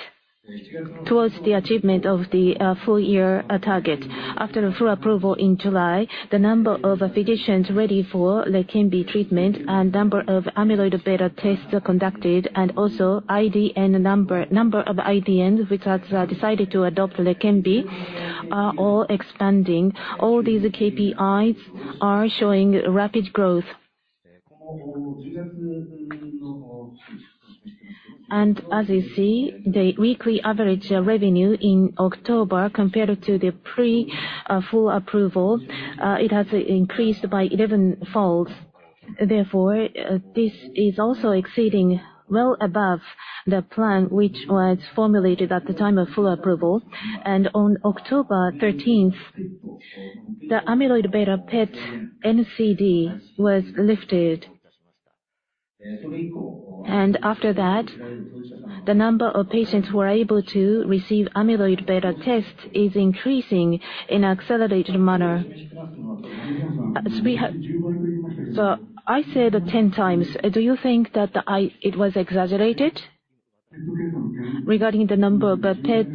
towards the achievement of the full year target. After the full approval in July, the number of physicians ready for LEQEMBI treatment and number of Amyloid Beta tests conducted, and also IDN number, number of IDN which has decided to adopt LEQEMBI are all expanding. All these KPIs are showing rapid growth. As you see, the weekly average revenue in October, compared to the pre-full approval, it has increased by 11-fold. Therefore, this is also exceeding well above the plan, which was formulated at the time of full approval. On October 13th, the amyloid beta PET NCD was lifted. After that, the number of patients who are able to receive amyloid beta test is increasing in an accelerated manner. So I said 10 times. Do you think that I it was exaggerated? Regarding the number of PET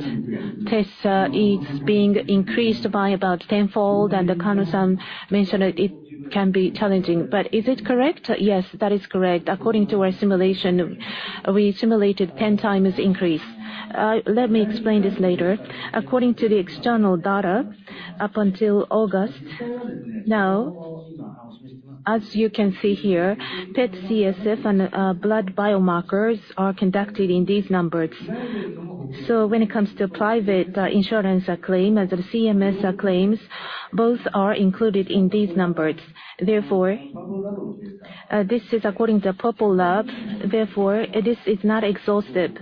tests, it's being increased by about 10-fold, and Kano-san mentioned that it can be challenging. But is it correct? Yes, that is correct. According to our simulation, we simulated 10 times increase. Let me explain this later. According to the external data, up until August, now, as you can see here, PET CSF and blood biomarkers are conducted in these numbers. So when it comes to private insurance claim and the CMS claims, both are included in these numbers. Therefore, this is according to PurpleLab. Therefore, this is not exhausted.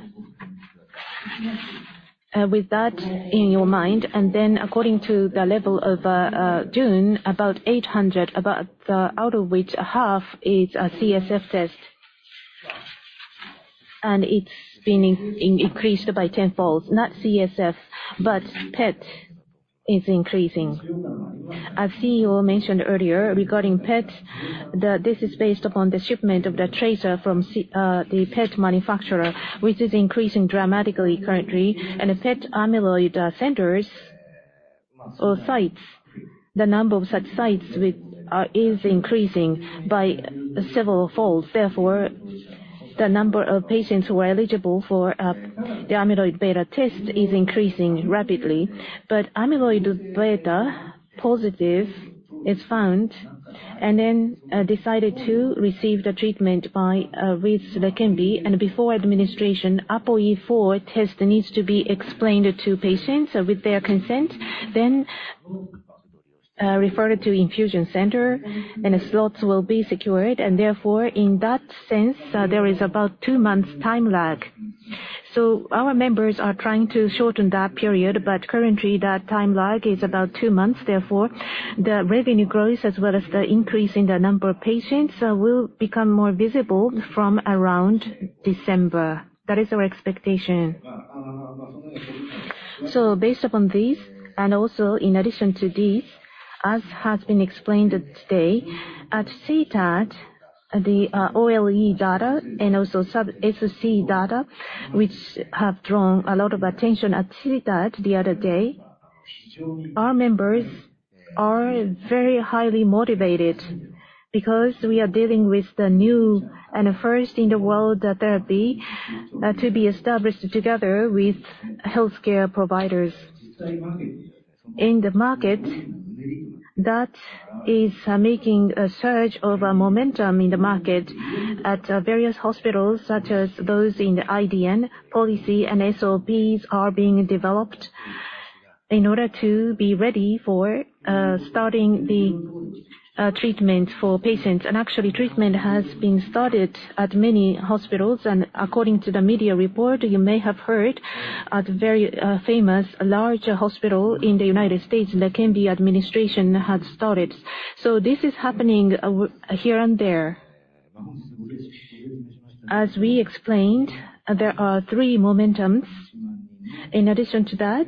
With that in your mind, and then according to the level of June, about 800, about out of which half is a CSF test, and it's been increased by tenfolds. Not CSF, but PET is increasing. As CEO mentioned earlier, regarding PET, this is based upon the shipment of the tracer from the PET manufacturer, which is increasing dramatically currently. And PET amyloid centers or sites, the number of such sites with is increasing by several folds. Therefore, the number of patients who are eligible for the Amyloid Beta test is increasing rapidly. But Amyloid Beta positive is found, and then decided to receive the treatment by with LEQEMBI. And before administration, APOE4 test needs to be explained to patients with their consent, then referred to infusion center, and slots will be secured. And therefore, in that sense, there is about two months time lag. So our members are trying to shorten that period, but currently, that time lag is about two months. Therefore, the revenue growth, as well as the increase in the number of patients, will become more visible from around December. That is our expectation. So based upon this, and also in addition to this-... As has been explained today, at CTAD, the OLE data and also sub SSC data, which have drawn a lot of attention at CTAD the other day. Our members are very highly motivated, because we are dealing with the new and first in the world therapy to be established together with healthcare providers. In the market, that is making a surge of momentum in the market at various hospitals, such as those in the IDN policy, and SOPs are being developed in order to be ready for starting the treatment for patients. And actually, treatment has been started at many hospitals, and according to the media report, you may have heard at a very famous large hospital in the United States, LEQEMBI administration had started. So this is happening here and there. As we explained, there are three momentums. In addition to that,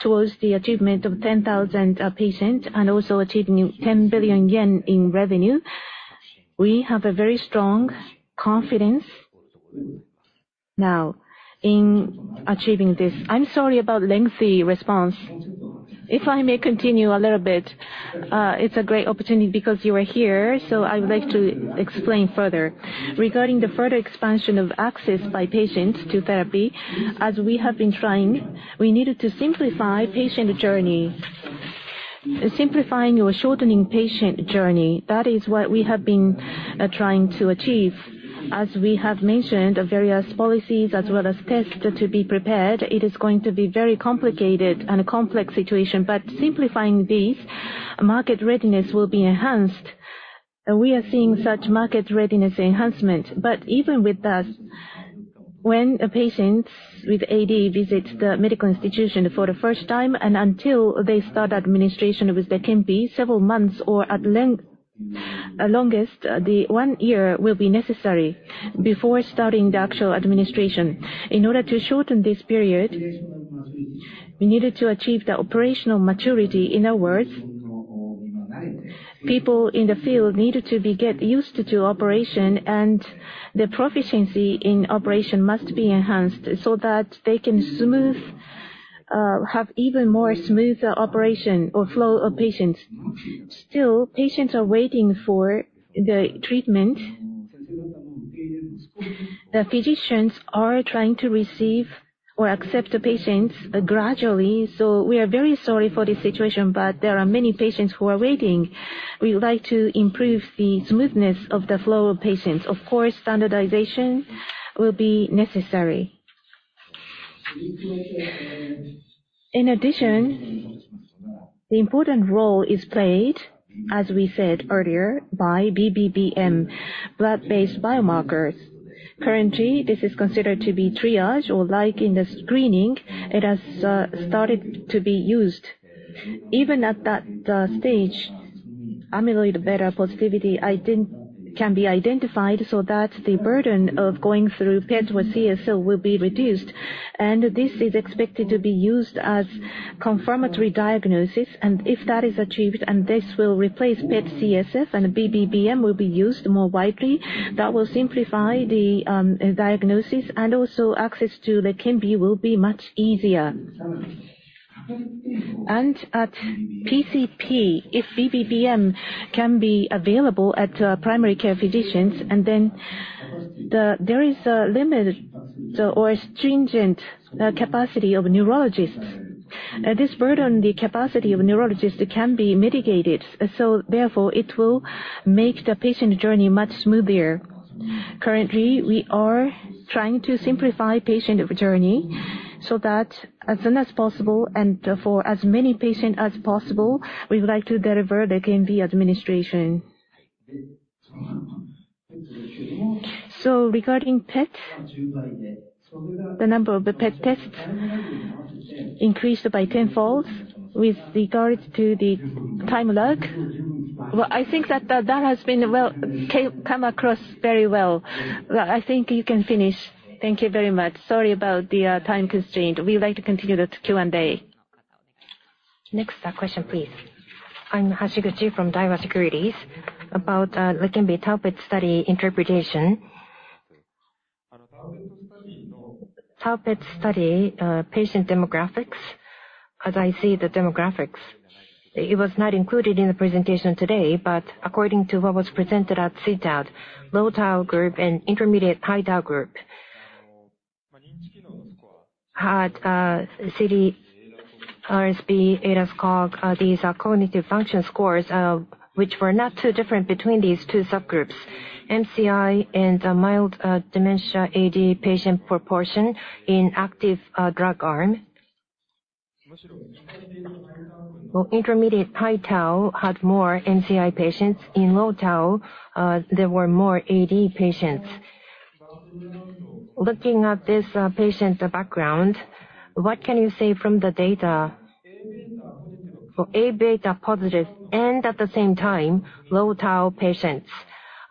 towards the achievement of 10,000 patients and also achieving 10 billion yen in revenue, we have a very strong confidence now in achieving this. I'm sorry about lengthy response. If I may continue a little bit, it's a great opportunity because you are here, so I would like to explain further. Regarding the further expansion of access by patients to therapy, as we have been trying, we needed to simplify patient journey. Simplifying or shortening patient journey, that is what we have been trying to achieve. As we have mentioned, various policies as well as tests to be prepared, it is going to be very complicated and a complex situation. But simplifying these, market readiness will be enhanced, and we are seeing such market readiness enhancement. But even with that, when a patient with AD visits the medical institution for the first time, and until they start administration with LEQEMBI, several months or at length- longest, the 1 year will be necessary before starting the actual administration. In order to shorten this period, we needed to achieve the operational maturity. In other words, people in the field needed to get used to operation, and the proficiency in operation must be enhanced so that they can smooth, have even more smoother operation or flow of patients. Still, patients are waiting for the treatment. The physicians are trying to receive or accept the patients gradually, so we are very sorry for this situation, but there are many patients who are waiting. We would like to improve the smoothness of the flow of patients. Of course, standardization will be necessary. In addition, the important role is played, as we said earlier, by BBBM, blood-based biomarkers. Currently, this is considered to be triage, or like in the screening, it has started to be used. Even at that stage, amyloid beta positivity identification can be identified, so that the burden of going through PET or CSF will be reduced. And this is expected to be used as confirmatory diagnosis, and if that is achieved, and this will replace PET CSF and BBBM will be used more widely, that will simplify the diagnosis, and also access to LEQEMBI will be much easier. And at PCP, if BBBM can be available at primary care physicians, and then there is a limited or stringent capacity of neurologists. This burden, the capacity of neurologists, can be mitigated, so therefore, it will make the patient journey much smoother. Currently, we are trying to simplify patient journey so that as soon as possible, and for as many patients as possible, we would like to deliver LEQEMBI administration. So regarding PET, the number of PET tests increased by tenfold with regards to the time lag. Well, I think that has come across very well. Well, I think you can finish. Thank you very much. Sorry about the time constraint. We would like to continue the Q&A. Next, question, please. I'm Hashiguchi from Daiwa Securities. About LEQEMBI tau PET study interpretation. tau PET study patient demographics. As I see the demographics, it was not included in the presentation today, but according to what was presented at CTAD, low tau group and intermediate high tau group had CDR-SB, ADAS-Cog, these are cognitive function scores, which were not too different between these two subgroups. MCI and mild dementia AD patient proportion in active drug arm. Well, intermediate high tau had more MCI patients. In low tau, there were more AD patients. Looking at this patient background, what can you say from the data for A-beta positive and at the same time, low tau patients?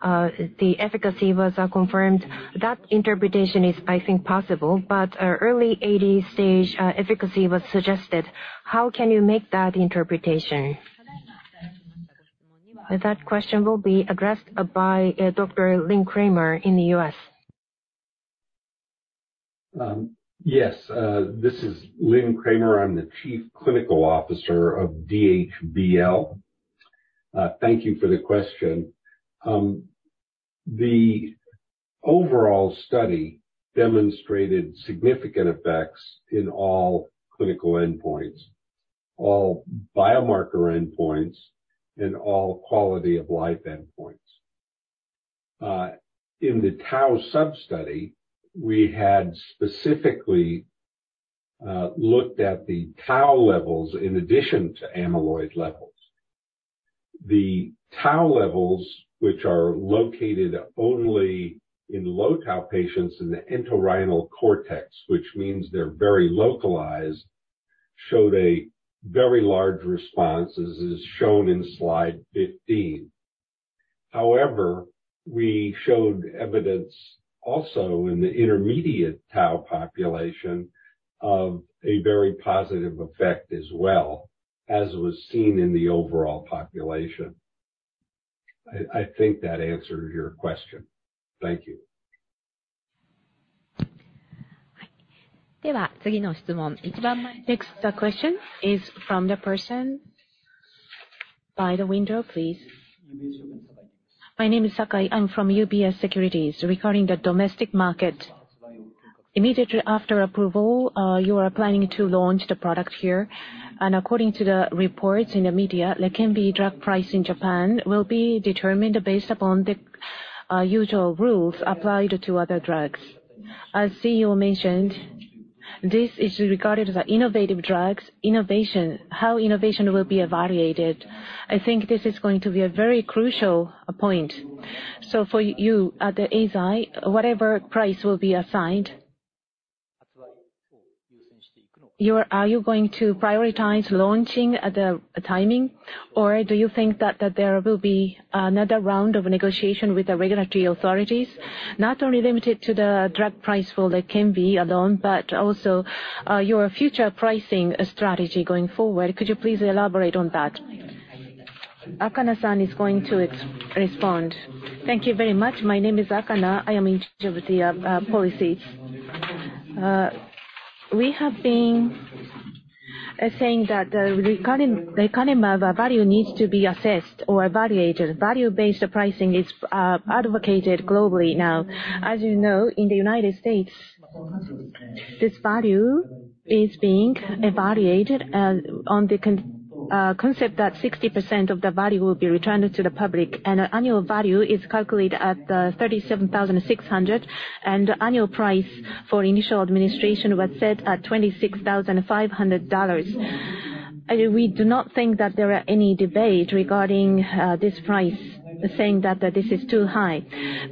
The efficacy was confirmed. That interpretation is, I think, possible, but early AD stage efficacy was suggested. How can you make that interpretation? That question will be addressed by Dr. Lynn Kramer in the U.S. Yes, this is Lynn Kramer. I'm the Chief Clinical Officer of DHBL. Thank you for the question. The overall study demonstrated significant effects in all clinical endpoints, all biomarker endpoints, and all quality of life endpoints. In the tau sub-study, we had specifically looked at the tau levels in addition to amyloid levels. The tau levels, which are located only in low tau patients in the entorhinal cortex, which means they're very localized, showed a very large response, as is shown in slide 15. However, we showed evidence also in the intermediate tau population of a very positive effect as well, as was seen in the overall population. I think that answered your question. Thank you. Next, the question is from the person by the window, please. My name is Sakai. I'm from UBS Securities. Regarding the domestic market, immediately after approval, you are planning to launch the product here, and according to the reports in the media, LEQEMBI drug price in Japan will be determined based upon the usual rules applied to other drugs. As CEO mentioned, this is regarded as innovative drugs. Innovation, how innovation will be evaluated, I think this is going to be a very crucial point. So for you, at Eisai, whatever price will be assigned, are you going to prioritize launching at the timing, or do you think that there will be another round of negotiation with the regulatory authorities? Not only limited to the drug price for LEQEMBI alone, but also your future pricing strategy going forward. Could you please elaborate on that? Akana-san is going to respond. Thank you very much. My name is Akana, I am in charge of the policies. We have been saying that lecanemab value needs to be assessed or evaluated. Value-based pricing is advocated globally now. As you know, in the United States, this value is being evaluated on the concept that 60% of the value will be returned to the public, and annual value is calculated at 37,600, and annual price for initial administration was set at $26,500. We do not think that there are any debate regarding this price, saying that this is too high.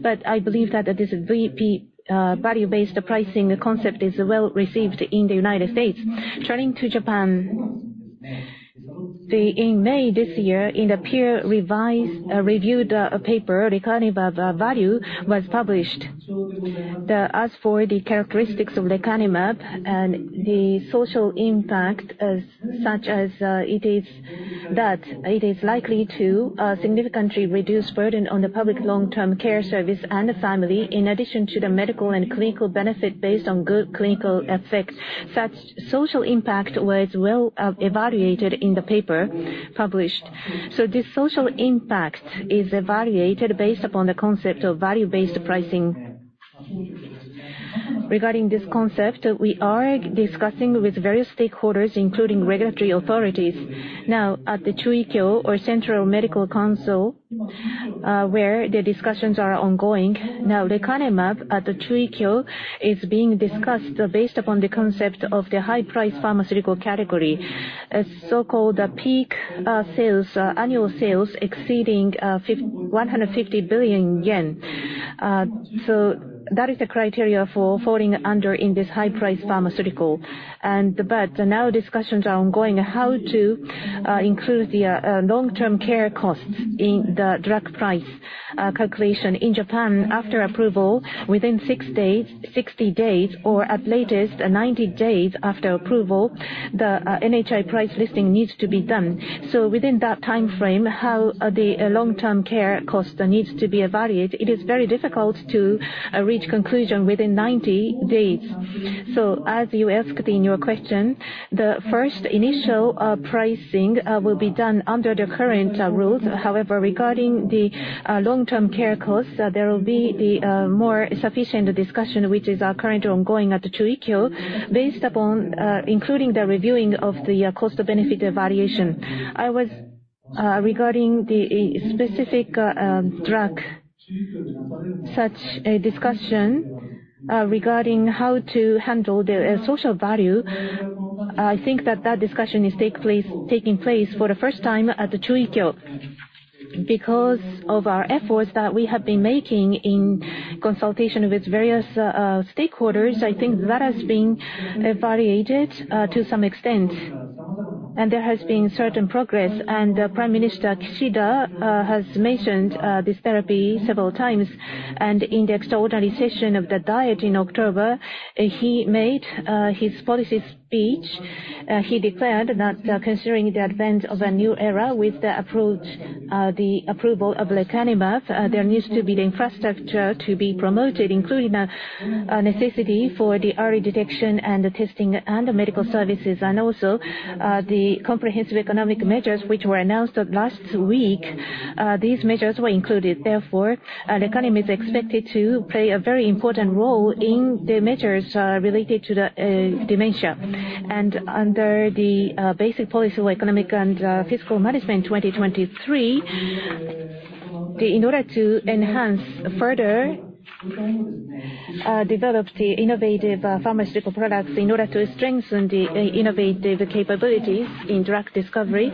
But I believe that this VBP value-based pricing concept is well-received in the United States. Turning to Japan, the... In May this year, in a peer-reviewed paper, Lecanemab value was published. The, as for the characteristics of Lecanemab and the social impact, as such as, it is, that it is likely to significantly reduce burden on the public long-term care service and the family, in addition to the medical and clinical benefit based on good clinical effects. Such social impact was well evaluated in the paper published. So this social impact is evaluated based upon the concept of value-based pricing. Regarding this concept, we are discussing with various stakeholders, including regulatory authorities, now at the Chuikyo, or Central Medical Council, where the discussions are ongoing. Now, Lecanemab at the Chuikyo is being discussed based upon the concept of the high-price pharmaceutical category, a so-called peak sales annual sales exceeding 150 billion yen. So that is the criteria for falling under in this high-price pharmaceutical. And, but now discussions are ongoing how to include the long-term care costs in the drug price calculation. In Japan, after approval, within six days, 60 days, or at latest, 90 days after approval, the NHI price listing needs to be done. So within that timeframe, how the long-term care cost needs to be evaluated, it is very difficult to reach conclusion within 90 days. So as you asked in your question, the first initial pricing will be done under the current rules. However, regarding the long-term care costs, there will be the more sufficient discussion, which is currently ongoing at the Chuikyo, based upon including the reviewing of the cost to benefit evaluation. I was... Regarding the specific drug, such a discussion regarding how to handle the social value, I think that that discussion is taking place for the first time at the Chuikyo. Because of our efforts that we have been making in consultation with various stakeholders, I think that has been evaluated to some extent... And there has been certain progress, and Prime Minister Kishida has mentioned this therapy several times. And in the extraordinary session of the diet in October, he made his policy speech. He declared that, considering the advent of a new era with the approved, the approval of Lecanemab, there needs to be the infrastructure to be promoted, including a necessity for the early detection and the testing and the medical services. And also, the comprehensive economic measures, which were announced last week, these measures were included. Therefore, lecanemab is expected to play a very important role in the measures related to the dementia. And under the Basic Policy on Economic and Fiscal Management 2023, in order to enhance further develop the innovative pharmaceutical products in order to strengthen the innovative capabilities in drug discovery,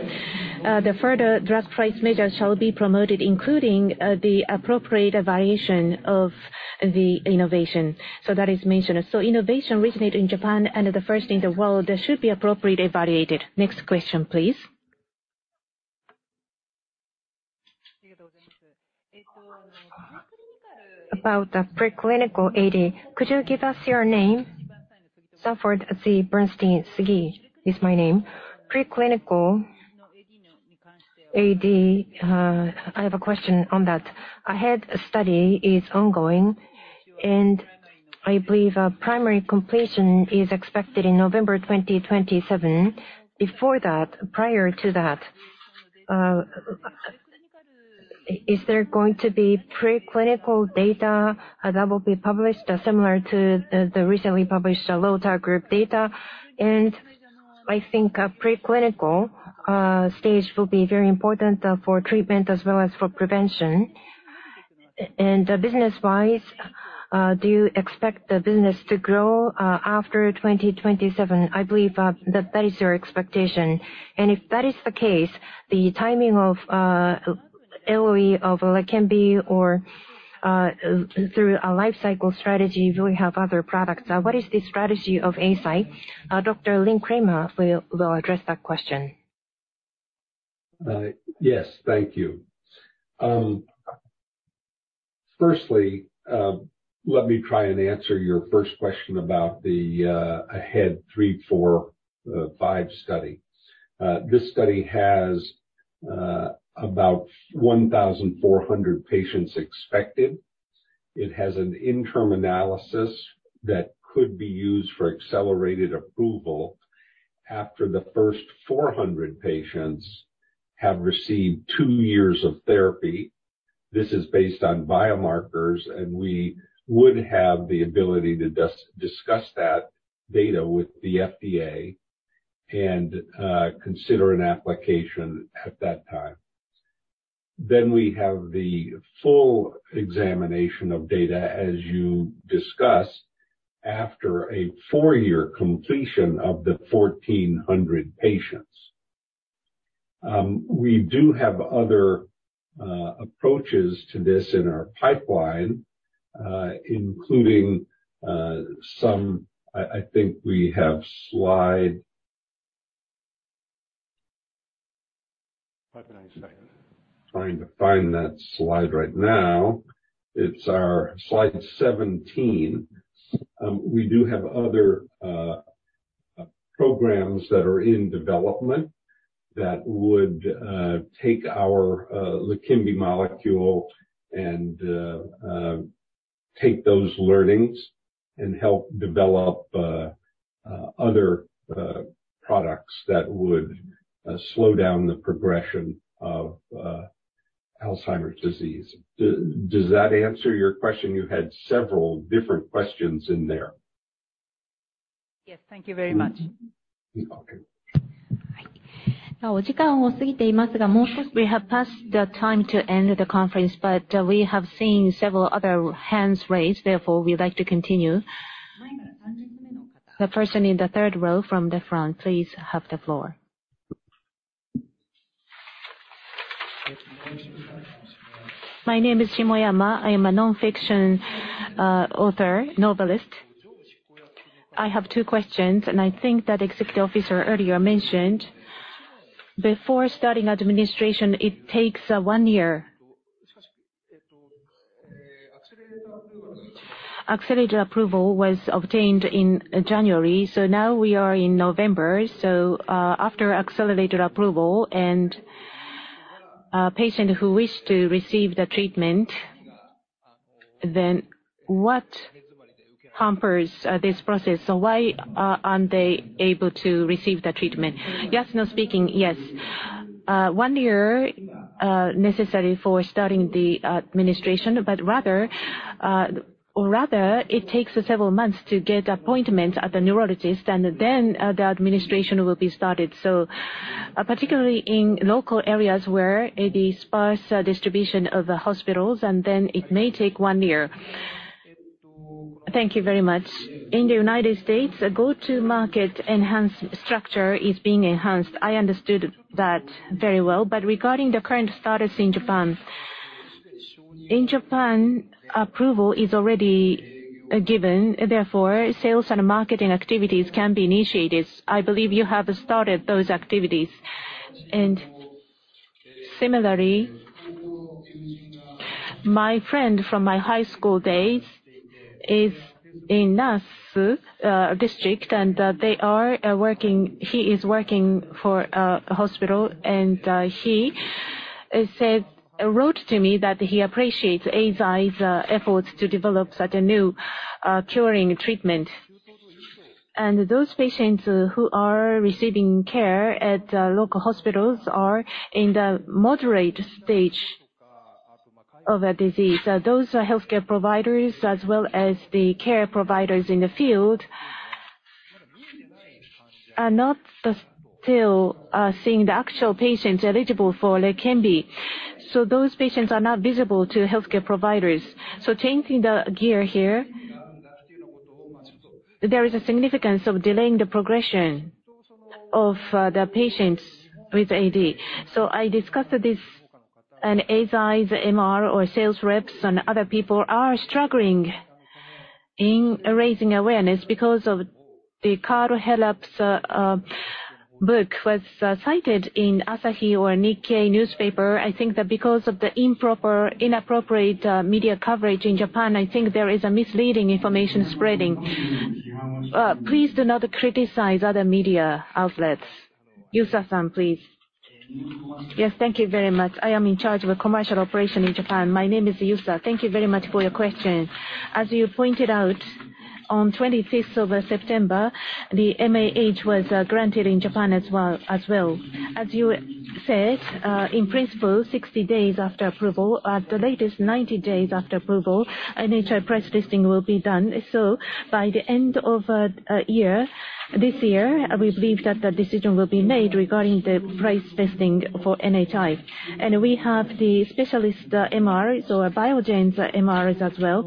the further drug price measures shall be promoted, including the appropriate evaluation of the innovation. So that is mentioned. So innovation originated in Japan, and the first in the world, that should be appropriately evaluated. Next question, please. About the preclinical AD, could you give us your name? Sanford C. Bernstein. Miki Sogi is my name. Preclinical AD, I have a question on that. AHEAD study is ongoing, and I believe a primary completion is expected in November 2027. Before that, prior to that, is there going to be preclinical data that will be published, similar to the, the recently published, low-tau group data? And I think a preclinical stage will be very important for treatment as well as for prevention. And, business-wise, do you expect the business to grow after 2027? I believe that that is your expectation. And if that is the case, the timing of LOE of LEQEMBI or, through a life cycle strategy, you will have other products. What is the strategy of Eisai? Dr. Lynn Kramer will address that question. Yes, thank you. Firstly, let me try and answer your first question about the AHEAD 3-45 study. This study has about 1,400 patients expected. It has an interim analysis that could be used for accelerated approval after the first 400 patients have received two years of therapy. This is based on biomarkers, and we would have the ability to discuss that data with the FDA and consider an application at that time. Then we have the full examination of data, as you discussed, after a four-year completion of the 1,400 patients. We do have other approaches to this in our pipeline, including some. I think we have slide. Trying to find that slide right now. It's our slide 17. We do have other programs that are in development that would take our LEQEMBI molecule and take those learnings and help develop other products that would slow down the progression of Alzheimer's disease. Does that answer your question? You had several different questions in there. Yes, thank you very much. Okay. We have passed the time to end the conference, but we have seen several other hands raised. Therefore, we'd like to continue. The person in the third row from the front, please have the floor. My name is Shimoyama. I am a nonfiction author, novelist. I have two questions, and I think that executive officer earlier mentioned, before starting administration, it takes one year. Accelerator approval was obtained in January, so now we are in November. So, after accelerator approval and a patient who wished to receive the treatment, then what hampers this process? So why aren't they able to receive the treatment? Yes, no speaking. Yes. One year necessary for starting the administration, but rather, or rather, it takes several months to get appointment at the neurologist, and then the administration will be started. So, particularly in local areas where the sparse distribution of the hospitals, and then it may take one year. Thank you very much. In the United States, a go-to-market enhanced structure is being enhanced. I understood that very well. But regarding the current status in Japan. In Japan, approval is already given, therefore, sales and marketing activities can be initiated. I believe you have started those activities. And similarly, my friend from my high school days is in Nasu district, and he is working for a hospital, and he said, wrote to me that he appreciates Eisai's efforts to develop such a new curing treatment. And those patients who are receiving care at local hospitals are in the moderate stage of a disease. Those healthcare providers, as well as the care providers in the field, are not still seeing the actual patients eligible for LEQEMBI. So those patients are not visible to healthcare providers. So changing the gear here, there is a significance of delaying the progression of the patients with AD. So I discussed this, and Eisai's MR or sales reps and other people are struggling in raising awareness because of the Karl Herrup's book was cited in Asahi or Nikkei newspaper. I think that because of the improper, inappropriate media coverage in Japan, I think there is a misleading information spreading. Please do not criticize other media outlets. Yasu-san, please. Yes, thank you very much. I am in charge of the commercial operation in Japan. My name is Yusa. Thank you very much for your question. As you pointed out, on 25th of September, the MAH was granted in Japan as well, as well. As you said, in principle, 60 days after approval, at the latest, 90 days after approval, NHI price listing will be done. So by the end of this year, we believe that the decision will be made regarding the price listing for NHI. And we have the specialist MR, so Biogen's MRs as well,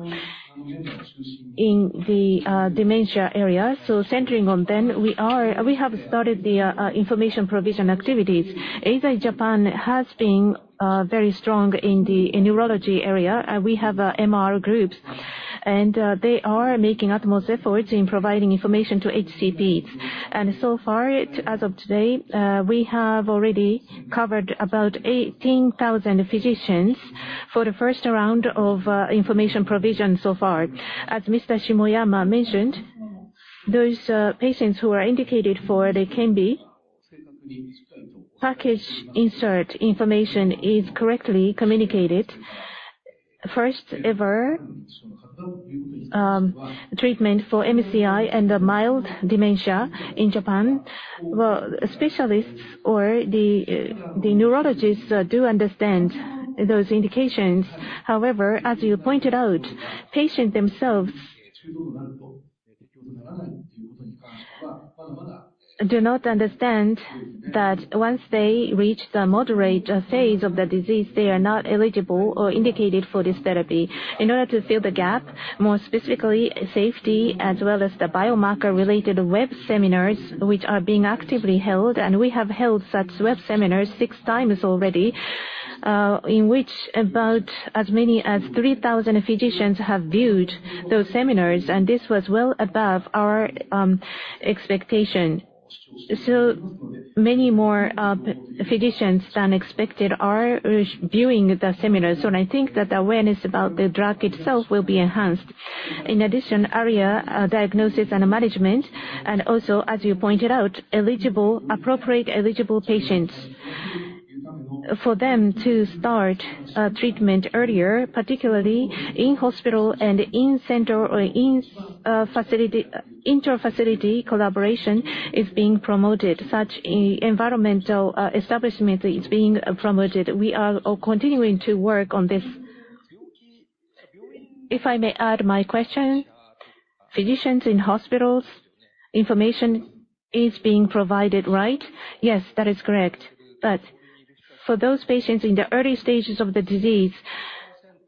in the dementia area. So centering on them, we have started the information provision activities. Eisai Japan has been very strong in the neurology area. We have MR groups, and they are making utmost efforts in providing information to HCPs. So far, as of today, we have already covered about 18,000 physicians for the first round of information provision so far. As Mr. Shimoyama mentioned, those patients who are indicated for LEQEMBI, package insert information is correctly communicated. First-ever treatment for MCI and mild dementia in Japan. Well, specialists or the neurologists do understand those indications. However, as you pointed out, patients themselves do not understand that once they reach the moderate phase of the disease, they are not eligible or indicated for this therapy. In order to fill the gap, more specifically, safety as well as the biomarker-related web seminars, which are being actively held, and we have held such web seminars six times already, in which about as many as 3,000 physicians have viewed those seminars, and this was well above our expectation. So many more physicians than expected are viewing the seminars, so I think that awareness about the drug itself will be enhanced. In addition, area diagnosis and management, and also, as you pointed out, eligible, appropriate eligible patients, for them to start treatment earlier, particularly in hospital and in-center or in facility, interfacility collaboration is being promoted. Such environmental establishment is being promoted. We are all continuing to work on this. If I may add my question, physicians in hospitals, information is being provided, right? Yes, that is correct. But for those patients in the early stages of the disease,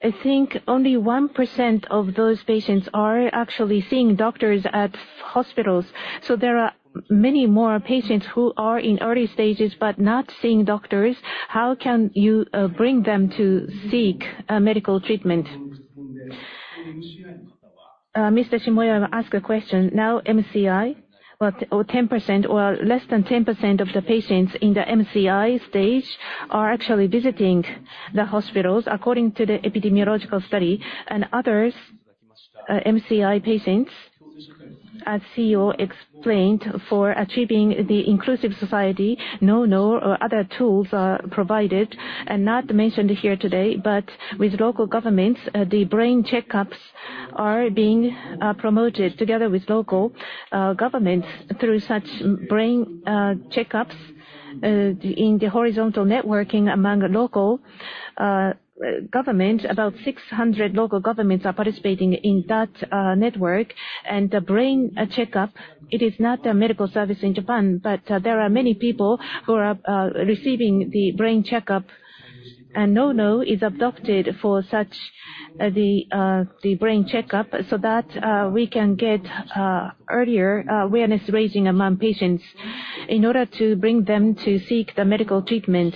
I think only 1% of those patients are actually seeing doctors at hospitals. So there are many more patients who are in early stages but not seeing doctors. How can you bring them to seek medical treatment? Mr. Shimoyama asks a question. Now, MCI, well, or 10%, or less than 10% of the patients in the MCI stage are actually visiting the hospitals, according to the epidemiological study. And others, MCI patients, as CEO explained, for achieving the inclusive society, NOUKNOW or other tools are provided and not mentioned here today, but with local governments, the brain checkups are being promoted together with local governments. Through such brain checkups, in the horizontal networking among local government, about 600 local governments are participating in that network. And the brain checkup, it is not a medical service in Japan, but there are many people who are receiving the brain checkup, and NOUKNOW is adopted for such the brain checkup, so that we can get earlier awareness-raising among patients in order to bring them to seek the medical treatment.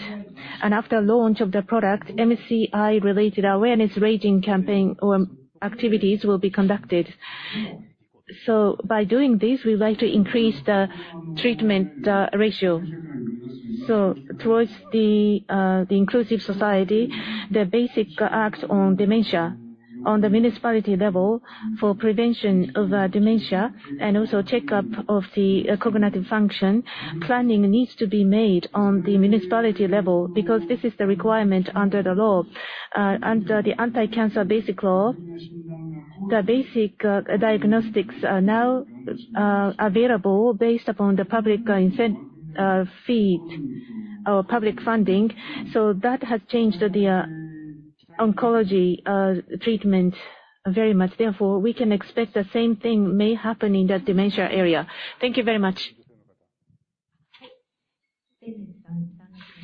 And after launch of the product, MCI-related awareness-raising campaign or activities will be conducted. So by doing this, we'd like to increase the treatment ratio. So towards the inclusive society, the basic acts on dementia on the municipality level for prevention of dementia and also checkup of the cognitive function, planning needs to be made on the municipality level, because this is the requirement under the law. Under the Anti-Cancer Basic Law, the basic diagnostics are now available based upon the public incentive fee or public funding. So that has changed the oncology treatment very much. Therefore, we can expect the same thing may happen in the dementia area. Thank you very much.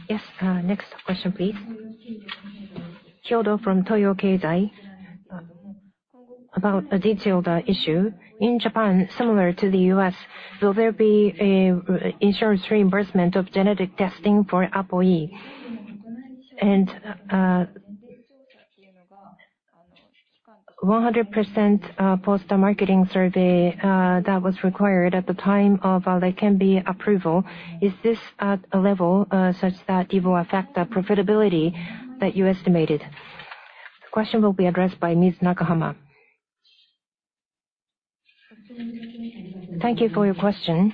Yes, next question, please. Kyodo from Toyo Keizai. About a detailed issue. In Japan, similar to the U.S., will there be a insurance reimbursement of genetic testing for APOE? And, 100% post-marketing survey that was required at the time of LEQEMBI approval, is this at a level such that it will affect the profitability that you estimated? The question will be addressed by Ms. Nakahama. Thank you for your question.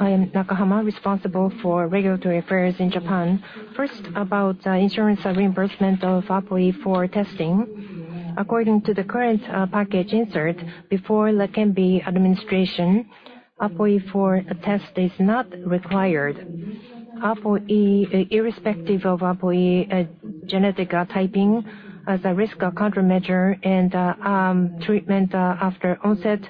I am Nakahama, responsible for regulatory affairs in Japan. First, about the insurance reimbursement of APOE4 testing. According to the current package insert, before LEQEMBI administration, APOE4 test is not required. APOE irrespective of APOE genetic typing as a risk or countermeasure and treatment after onset,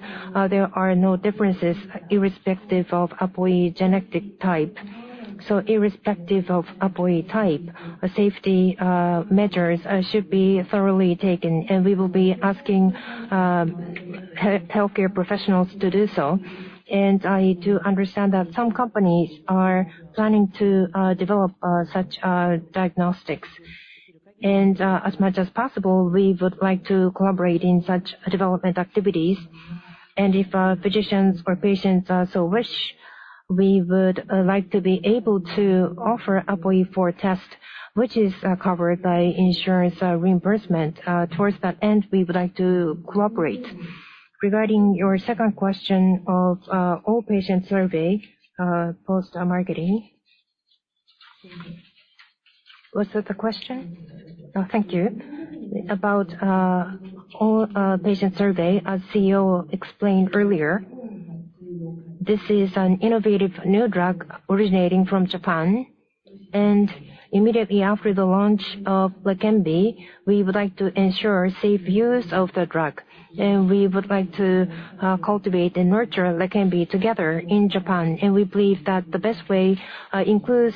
there are no differences irrespective of APOE genetic type. So irrespective of APOE type, safety measures should be thoroughly taken, and we will be asking healthcare professionals to do so. I do understand that some companies are planning to develop such diagnostics. As much as possible, we would like to collaborate in such development activities. And if physicians or patients so wish, we would like to be able to offer APOE4 test, which is covered by insurance reimbursement. Towards that end, we would like to cooperate. Regarding your second question of all-patient survey, post-marketing... Was that the question? Oh, thank you. About all patient survey, as CEO explained earlier, this is an innovative new drug originating from Japan, and immediately after the launch of LEQEMBI, we would like to ensure safe use of the drug, and we would like to cultivate and nurture LEQEMBI together in Japan. And we believe that the best way includes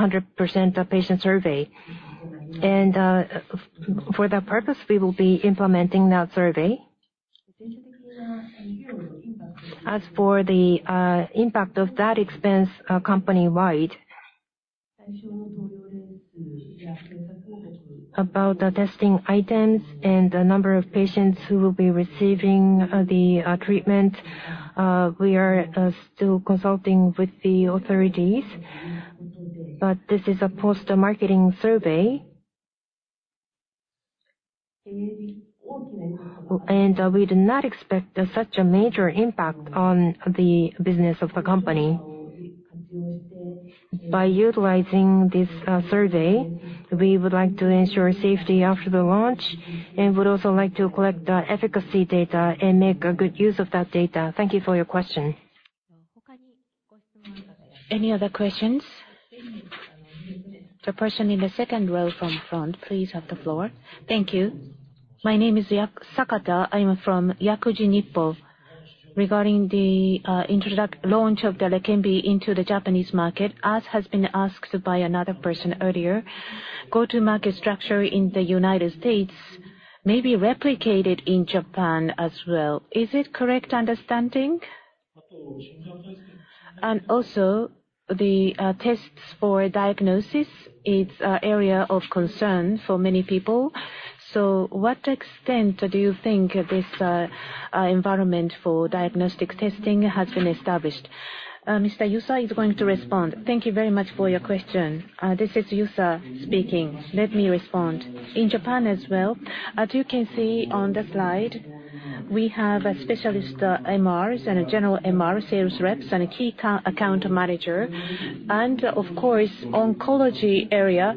100% patient survey. And for that purpose, we will be implementing that survey. As for the impact of that expense, company-wide, about the testing items and the number of patients who will be receiving the treatment, we are still consulting with the authorities, but this is a post-marketing survey. We do not expect such a major impact on the business of the company. By utilizing this survey, we would like to ensure safety after the launch and would also like to collect efficacy data and make a good use of that data. Thank you for your question. Any other questions? The person in the second row from front, please have the floor. Thank you. My name is Yak Sakata. I am from Yakuji Nippo. Regarding the launch of the LEQEMBI into the Japanese market, as has been asked by another person earlier, go-to-market structure in the United States may be replicated in Japan as well. Is it correct understanding? And also, the tests for diagnosis, it's a area of concern for many people. So what extent do you think this environment for diagnostic testing has been established? Mr. Yusa is going to respond. Thank you very much for your question. This is Yusa speaking. Let me respond. In Japan as well, as you can see on the slide, we have a specialist, MRs and a general MRs, sales reps, and a key co-account manager. And of course, oncology area,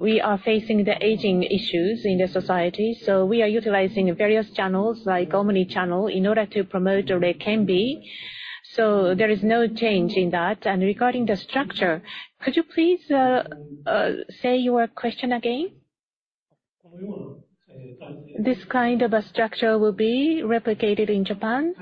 we are facing the aging issues in the society, so we are utilizing various channels, like omni-channel, in order to promote the LEQEMBI. So there is no change in that. And regarding the structure, could you please, say your question again? This kind of a structure will be replicated in Japan.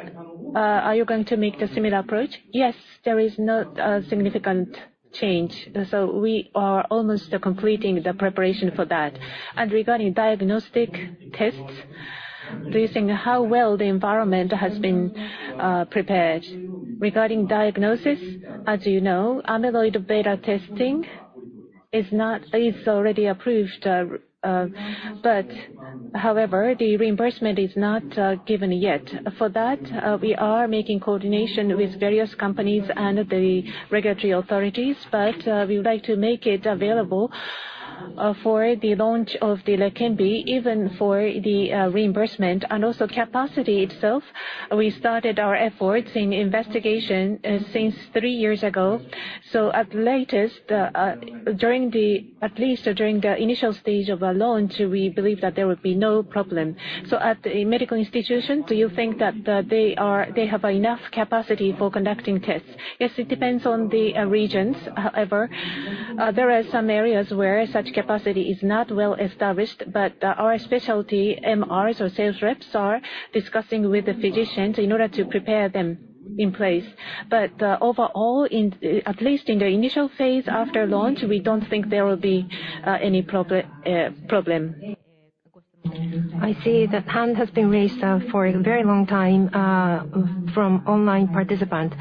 Are you going to make the similar approach? Yes, there is not a significant change, so we are almost completing the preparation for that. And regarding diagnostic tests-... Do you think how well the environment has been, prepared? Regarding diagnosis, as you know, Amyloid Beta testing is already approved, but however, the reimbursement is not given yet. For that, we are making coordination with various companies and the regulatory authorities, but we would like to make it available for the launch of the LEQEMBI, even for the reimbursement. And also capacity itself, we started our efforts in investigation since three years ago. So at latest, at least during the initial stage of our launch, we believe that there will be no problem. So at a medical institution, do you think that they are, they have enough capacity for conducting tests? Yes, it depends on the regions. However, there are some areas where such capacity is not well established, but our specialty MRs or sales reps are discussing with the physicians in order to prepare them in place. But overall, in at least in the initial phase after launch, we don't think there will be any problem, problem. I see the hand has been raised for a very long time from online participant.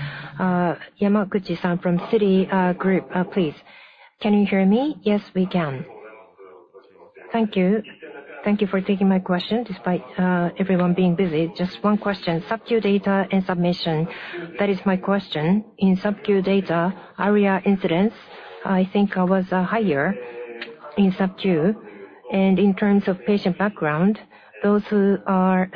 Yamaguchi-san from Citigroup, please. Can you hear me? Yes, we can. Thank you. Thank you for taking my question, despite everyone being busy. Just one question. Sub-Q data and submission, that is my question. In Sub-Q data, ARIA incidence, I think, was higher in Sub-Q. And in terms of patient background, those who are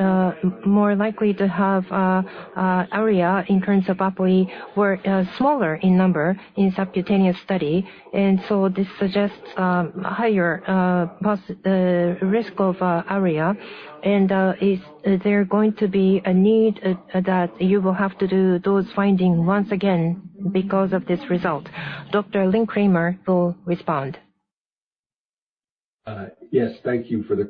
more likely to have ARIA in terms of APOE were smaller in number in subcutaneous study, and so this suggests higher risk of ARIA. And is there going to be a need that you will have to do those findings once again be cause of this result? Dr. Lynn Kramer will respond. Yes. Thank you for the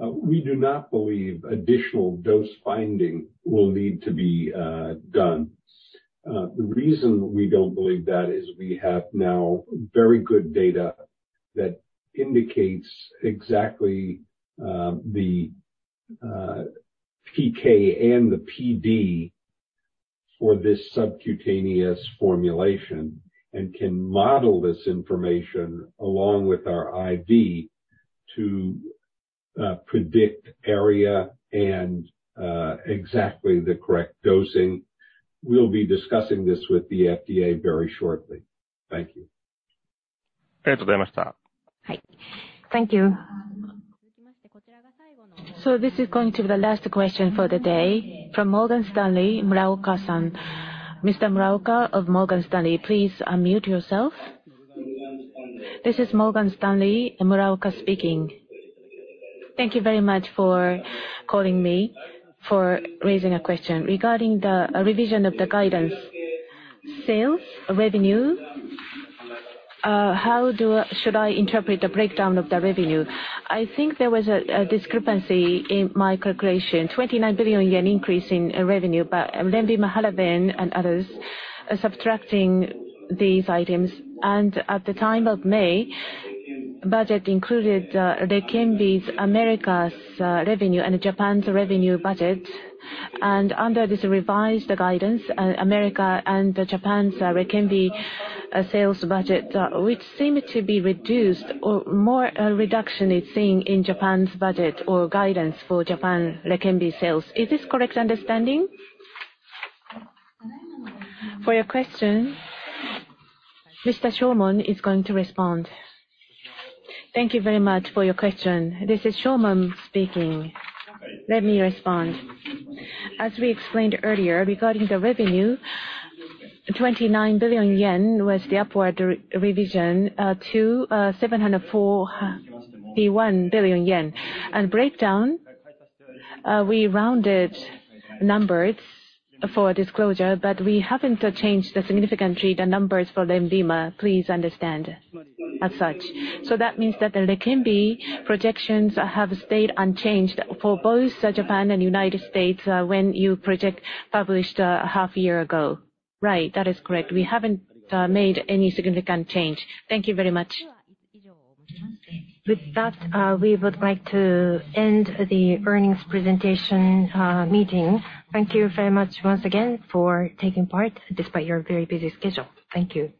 question. We do not believe additional dose finding will need to be done. The reason we don't believe that is we have now very good data that indicates exactly the PK and the PD for this subcutaneous formulation, and can model this information along with our IV to predict ARIA and exactly the correct dosing. We'll be discussing this with the FDA very shortly. Thank you. Thank you very much. Hai. Thank you. So this is going to be the last question for the day. From Morgan Stanley, Muraoka-san. Mr. Muraoka of Morgan Stanley, please unmute yourself. This is Morgan Stanley, Muraoka speaking. Thank you very much for calling me, for raising a question. Regarding the revision of the guidance, sales, revenue, how should I interpret the breakdown of the revenue? I think there was a discrepancy in my calculation. 29 billion yen increase in revenue, butLENVIMA, Halaven, and others, subtracting these items, and at the time of May, budget included, LEQEMBI's America's revenue and Japan's revenue budget. And under this revised guidance, America and Japan's LEQEMBI sales budget, which seem to be reduced or more, reduction is seen in Japan's budget or guidance for Japan LEQEMBI sales. Is this correct understanding? For your question, Mr. Shono is going to respond. Thank you very much for your question. This is Shomon speaking. Let me respond. As we explained earlier, regarding the revenue, 29 billion yen was the upward revision to 741 billion yen. And breakdown, we rounded numbers for disclosure, but we haven't changed significantly the numbers forLENVIMA. Please understand as such. So that means that the LEQEMBI projections have stayed unchanged for both Japan and United States, when you project published, half year ago? Right. That is correct. We haven't made any significant change. Thank you very much. With that, we would like to end the earnings presentation meeting. Thank you very much once again for taking part, despite your very busy schedule. Thank you.